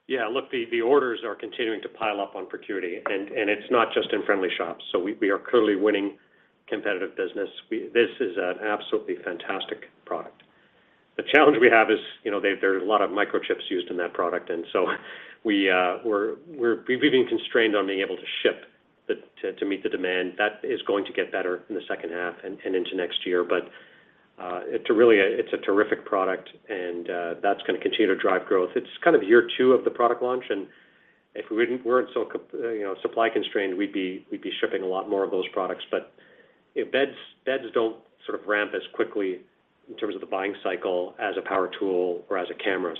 Yeah. Look, the orders are continuing to pile up on ProCuity, and it's not just in friendly shops. We are clearly winning competitive business. This is an absolutely fantastic product. The challenge we have is, there are a lot of microchips used in that product, and so we've been constrained on being able to ship to meet the demand. That is going to get better in the second half and into next year. It's really a terrific product, and that's gonna continue to drive growth. It's kind of year two of the product launch, and if we weren't so supply constrained, we'd be shipping a lot more of those products. Beds don't sort of ramp as quickly in terms of the buying cycle as a power tool or as a camera.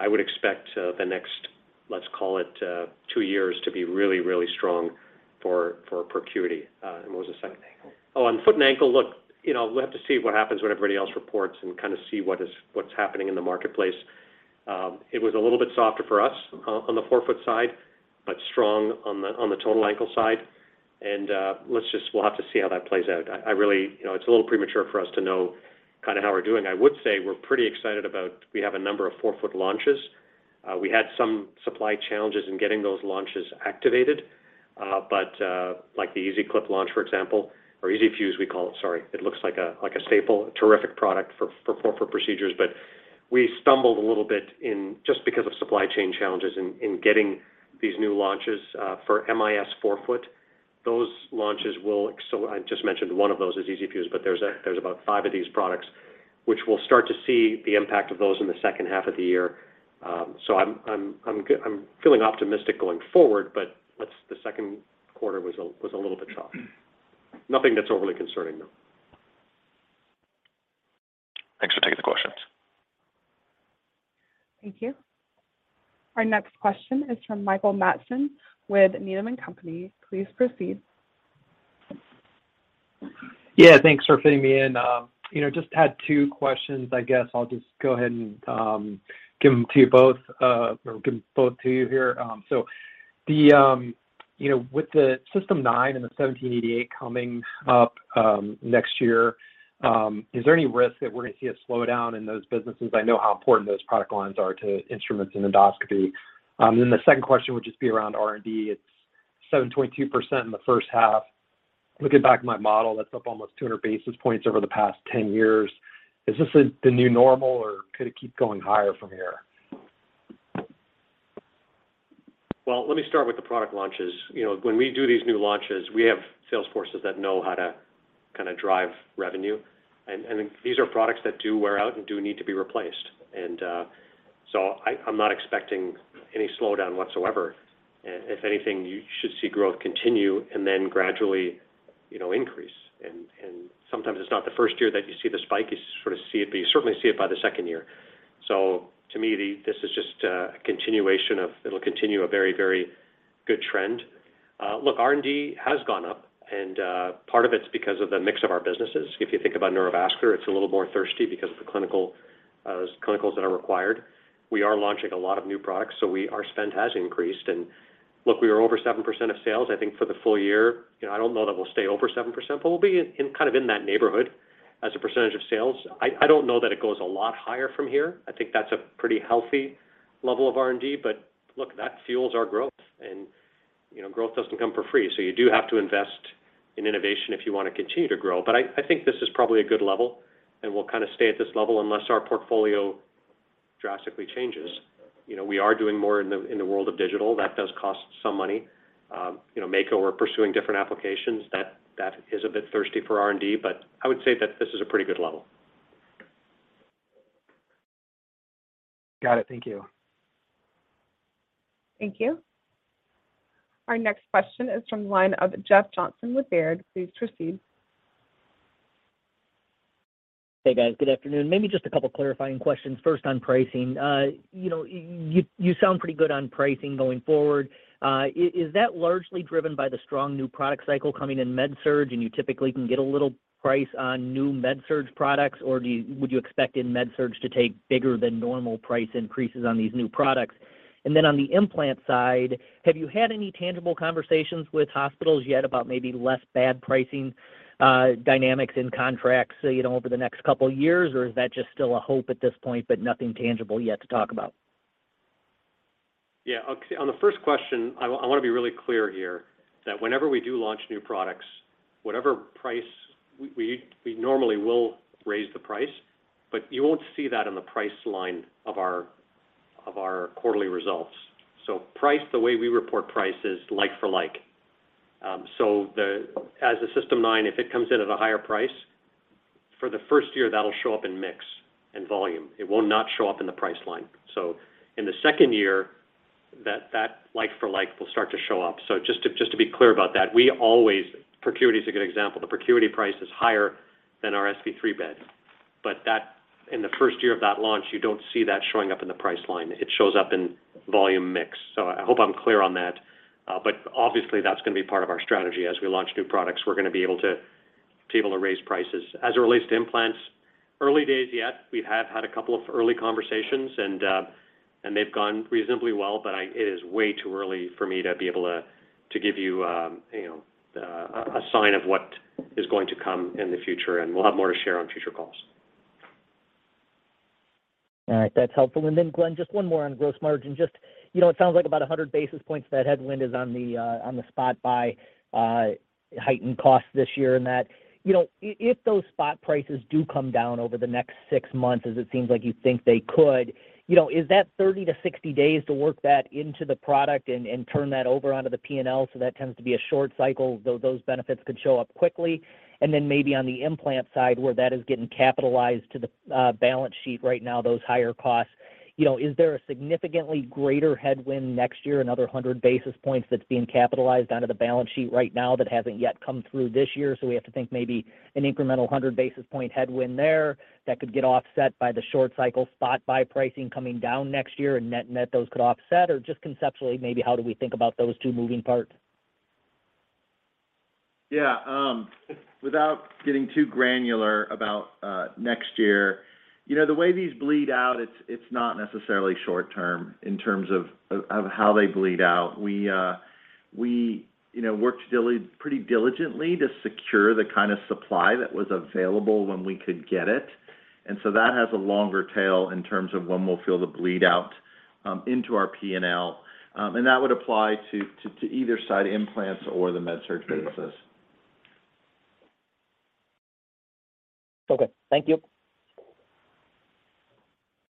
I would expect the next, let's call it, two years to be really strong for ProCuity. What was the second thing? On foot and ankle, look, you know, we'll have to see what happens when everybody else reports and kind of see what's happening in the marketplace. It was a little bit softer for us on the forefoot side, but strong on the total ankle side. We'll have to see how that plays out. I really. You know, it's a little premature for us to know kind of how we're doing. I would say we're pretty excited about we have a number of forefoot launches. We had some supply challenges in getting those launches activated, but like the EasyFuse launch, for example, or EasyFuse we call it, sorry. It looks like a staple. Terrific product for forefoot procedures. We stumbled a little bit in just because of supply chain challenges in getting these new launches for MIS forefoot. I just mentioned one of those is EasyFuse, but there's about five of these products which we'll start to see the impact of those in the second half of the year. I'm feeling optimistic going forward, but the second quarter was a little bit rough. Nothing that's overly concerning, though. Thanks for taking the questions. Thank you. Our next question is from Michael Matson with Needham & Company. Please proceed. Yeah, thanks for fitting me in. You know, just had two questions. I guess I'll just go ahead and give them both to you here. You know, with the System 9 and the 1788 coming up next year, is there any risk that we're gonna see a slowdown in those businesses? I know how important those product lines are to instruments and endoscopy. The second question would just be around R&D. It's 7.2% in the first half. Looking back at my model, that's up almost 200 basis points over the past 10 years. Is this the new normal, or could it keep going higher from here? Well, let me start with the product launches. You know, when we do these new launches, we have sales forces that know how to kind of drive revenue. These are products that do wear out and do need to be replaced. I'm not expecting any slowdown whatsoever. If anything, you should see growth continue and then gradually, you know, increase. Sometimes it's not the first year that you see the spike, you sort of see it, but you certainly see it by the second year. To me, this is just a continuation of it'll continue a very, very good trend. Look, R&D has gone up, and part of it's because of the mix of our businesses. If you think about neurovascular, it's a little more thirsty because of the clinicals that are required. We are launching a lot of new products, so our spend has increased. Look, we are over 7% of sales, I think, for the full year. You know, I don't know that we'll stay over 7%, but we'll be in, kind of, in that neighborhood as a percentage of sales. I don't know that it goes a lot higher from here. I think that's a pretty healthy level of R&D. Look, that fuels our growth, and, you know, growth doesn't come for free. You do have to invest in innovation if you want to continue to grow. I think this is probably a good level, and we'll kind of stay at this level unless our portfolio drastically changes. You know, we are doing more in the world of digital. That does cost some money. You know, Mako, we're pursuing different applications. That is a bit thirsty for R&D, but I would say that this is a pretty good level. Got it. Thank you. Thank you. Our next question is from the line of Jeff Johnson with Baird. Please proceed. Hey guys, good afternoon. Maybe just a couple clarifying questions. First, on pricing, you know, you sound pretty good on pricing going forward. Is that largely driven by the strong new product cycle coming in MedSurg, and you typically can get a little pricing on new MedSurg products, or would you expect in MedSurg to take bigger than normal price increases on these new products? On the implant side, have you had any tangible conversations with hospitals yet about maybe less bad pricing dynamics in contracts, you know, over the next couple of years? Or is that just still a hope at this point, but nothing tangible yet to talk about? Yeah. On the first question, I wanna be really clear here that whenever we do launch new products, whatever price we normally will raise the price, but you won't see that in the price line of our quarterly results. Price, the way we report price is like for like. As a System 9, if it comes in at a higher price, for the first year, that'll show up in mix and volume. It will not show up in the price line. In the second year, that like for like will start to show up. Just to be clear about that, we always. ProCuity is a good example. The ProCuity price is higher than our S3 bed. In the first year of that launch, you don't see that showing up in the price line. It shows up in volume mix. I hope I'm clear on that. But obviously, that's going to be part of our strategy. As we launch new products, we're going to be able to raise prices. As it relates to implants, early days yet, we have had a couple of early conversations and they've gone reasonably well, but it is way too early for me to be able to give you know, a sign of what is going to come in the future, and we'll have more to share on future calls. All right, that's helpful. Glenn, just one more on gross margin. You know, it sounds like about 100 basis points of that headwind is on the spot buy heightened costs this year and that. You know, if those spot prices do come down over the next 6 months, as it seems like you think they could, you know, is that 30-60 days to work that into the product and turn that over onto the P&L, so that tends to be a short cycle, those benefits could show up quickly. Maybe on the implant side where that is getting capitalized to the balance sheet right now, those higher costs. You know, is there a significantly greater headwind next year, another 100 basis points that's being capitalized onto the balance sheet right now that hasn't yet come through this year? We have to think maybe an incremental 100 basis point headwind there that could get offset by the short cycle spot buy pricing coming down next year and net, those could offset? Just conceptually, maybe how do we think about those two moving parts? Yeah, without getting too granular about next year, you know, the way these bleed out, it's not necessarily short term in terms of how they bleed out. We, you know, worked pretty diligently to secure the kind of supply that was available when we could get it. That has a longer tail in terms of when we'll feel the bleed out into our P&L. That would apply to either side, implants or the MedSurg business. Okay. Thank you.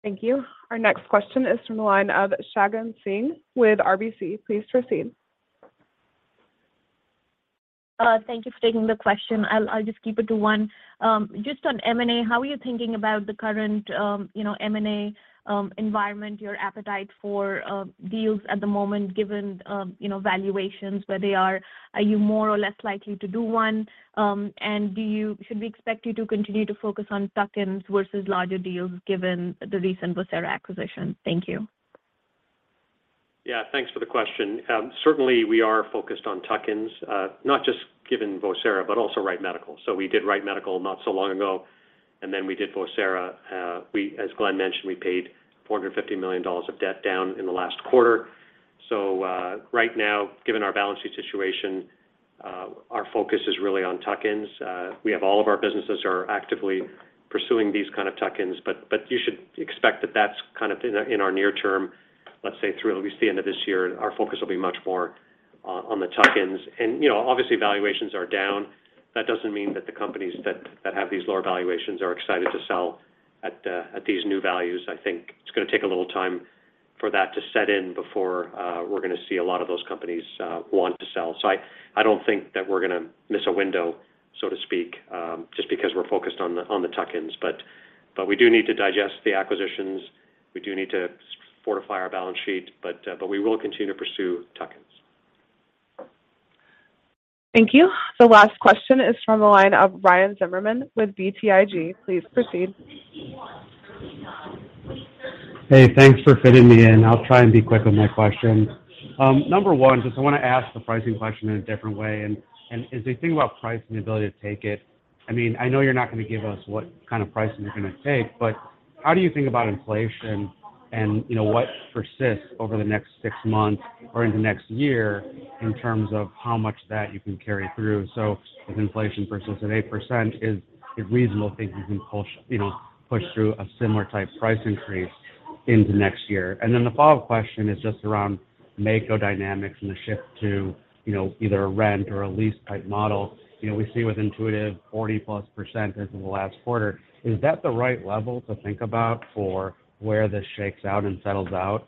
Thank you. Our next question is from the line of Shagun Singh with RBC. Please proceed. Thank you for taking the question. I'll just keep it to one. Just on M&A, how are you thinking about the current, you know, M&A environment, your appetite for deals at the moment, given, you know, valuations, where they are? Are you more or less likely to do one? Should we expect you to continue to focus on tuck-ins versus larger deals given the recent Vocera acquisition? Thank you. Yeah. Thanks for the question. Certainly we are focused on tuck-ins, not just given Vocera, but also Wright Medical. We did Wright Medical not so long ago, and then we did Vocera. We, as Glenn mentioned, paid $450 million of debt down in the last quarter. Right now, given our balance sheet situation, our focus is really on tuck-ins. We have all of our businesses are actively pursuing these kind of tuck-ins, but you should expect that that's kind of in our near term, let's say through at least the end of this year, our focus will be much more on the tuck-ins. You know, obviously, valuations are down. That doesn't mean that the companies that have these lower valuations are excited to sell at these new values. I think it's gonna take a little time for that to set in before we're gonna see a lot of those companies want to sell. I don't think that we're gonna miss a window, so to speak, just because we're focused on the tuck-ins. We do need to digest the acquisitions. We do need to fortify our balance sheet, but we will continue to pursue tuck-ins. Thank you. The last question is from the line of Ryan Zimmerman with BTIG. Please proceed. Hey, thanks for fitting me in. I'll try and be quick on my question. Number one, just I wanna ask the pricing question in a different way. As we think about pricing, the ability to take it, I mean, I know you're not gonna give us what kind of pricing you're gonna take, but how do you think about inflation and, you know, what persists over the next six months or into next year in terms of how much that you can carry through? If inflation persists at 8%, is it reasonable to think you can push, you know, push through a similar type price increase into next year? Then the follow-up question is just around Mako Dynamics and the shift to, you know, either a rent or a lease type model. You know, we see with Intuitive 40%+ into the last quarter. Is that the right level to think about for where this shakes out and settles out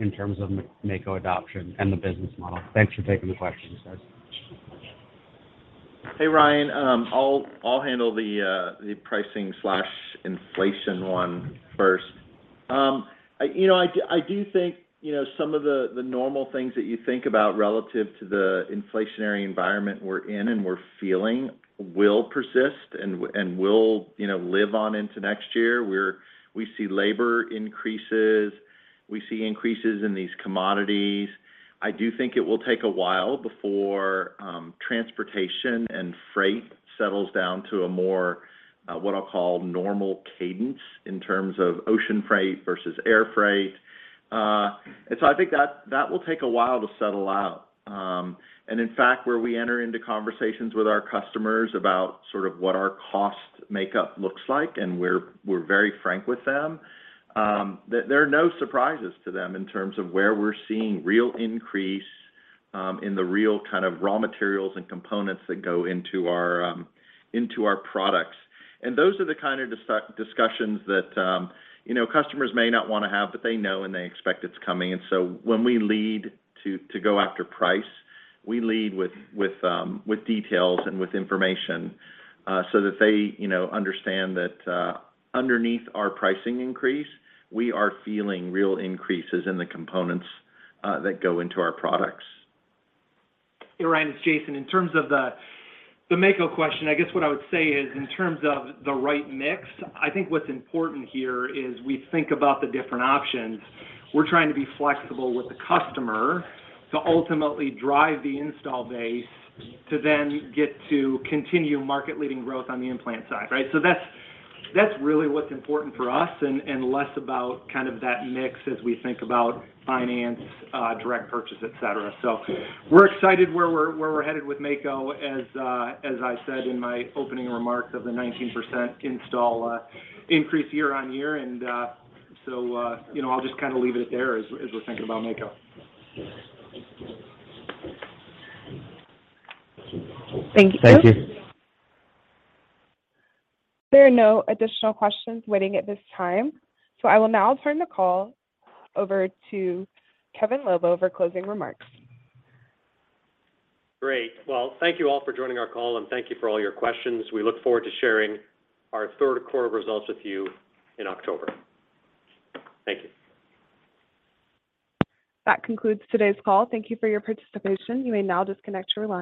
in terms of Mako adoption and the business model? Thanks for taking the questions, guys. Hey, Ryan. I'll handle the pricing inflation one first. You know, I do think some of the normal things that you think about relative to the inflationary environment we're in and we're feeling will persist and will live on into next year. We see labor increases, we see increases in these commodities. I do think it will take a while before transportation and freight settles down to a more what I'll call normal cadence in terms of ocean freight versus air freight. I think that will take a while to settle out. In fact, where we enter into conversations with our customers about sort of what our cost makeup looks like, and we're very frank with them, there are no surprises to them in terms of where we're seeing real increase in the real kind of raw materials and components that go into our products. Those are the kind of discussions that, you know, customers may not wanna have, but they know and they expect it's coming. When we need to go after price, we lead with details and with information, so that they, you know, understand that, underneath our pricing increase, we are feeling real increases in the components that go into our products. Yeah, Ryan, it's Jason. In terms of the Mako question, I guess what I would say is in terms of the right mix, I think what's important here is we think about the different options. We're trying to be flexible with the customer to ultimately drive the install base to then get to continue market leading growth on the implant side, right? That's really what's important for us and less about kind of that mix as we think about finance, direct purchase, et cetera. We're excited where we're headed with Mako as I said in my opening remarks of the 19% install increase year-over-year, so you know, I'll just kinda leave it there as we're thinking about Mako. Thank you. Thank you. There are no additional questions waiting at this time. I will now turn the call over to Kevin Lobo for closing remarks. Great. Well, thank you all for joining our call, and thank you for all your questions. We look forward to sharing our third quarter results with you in October. Thank you. That concludes today's call. Thank you for your participation. You may now disconnect your line.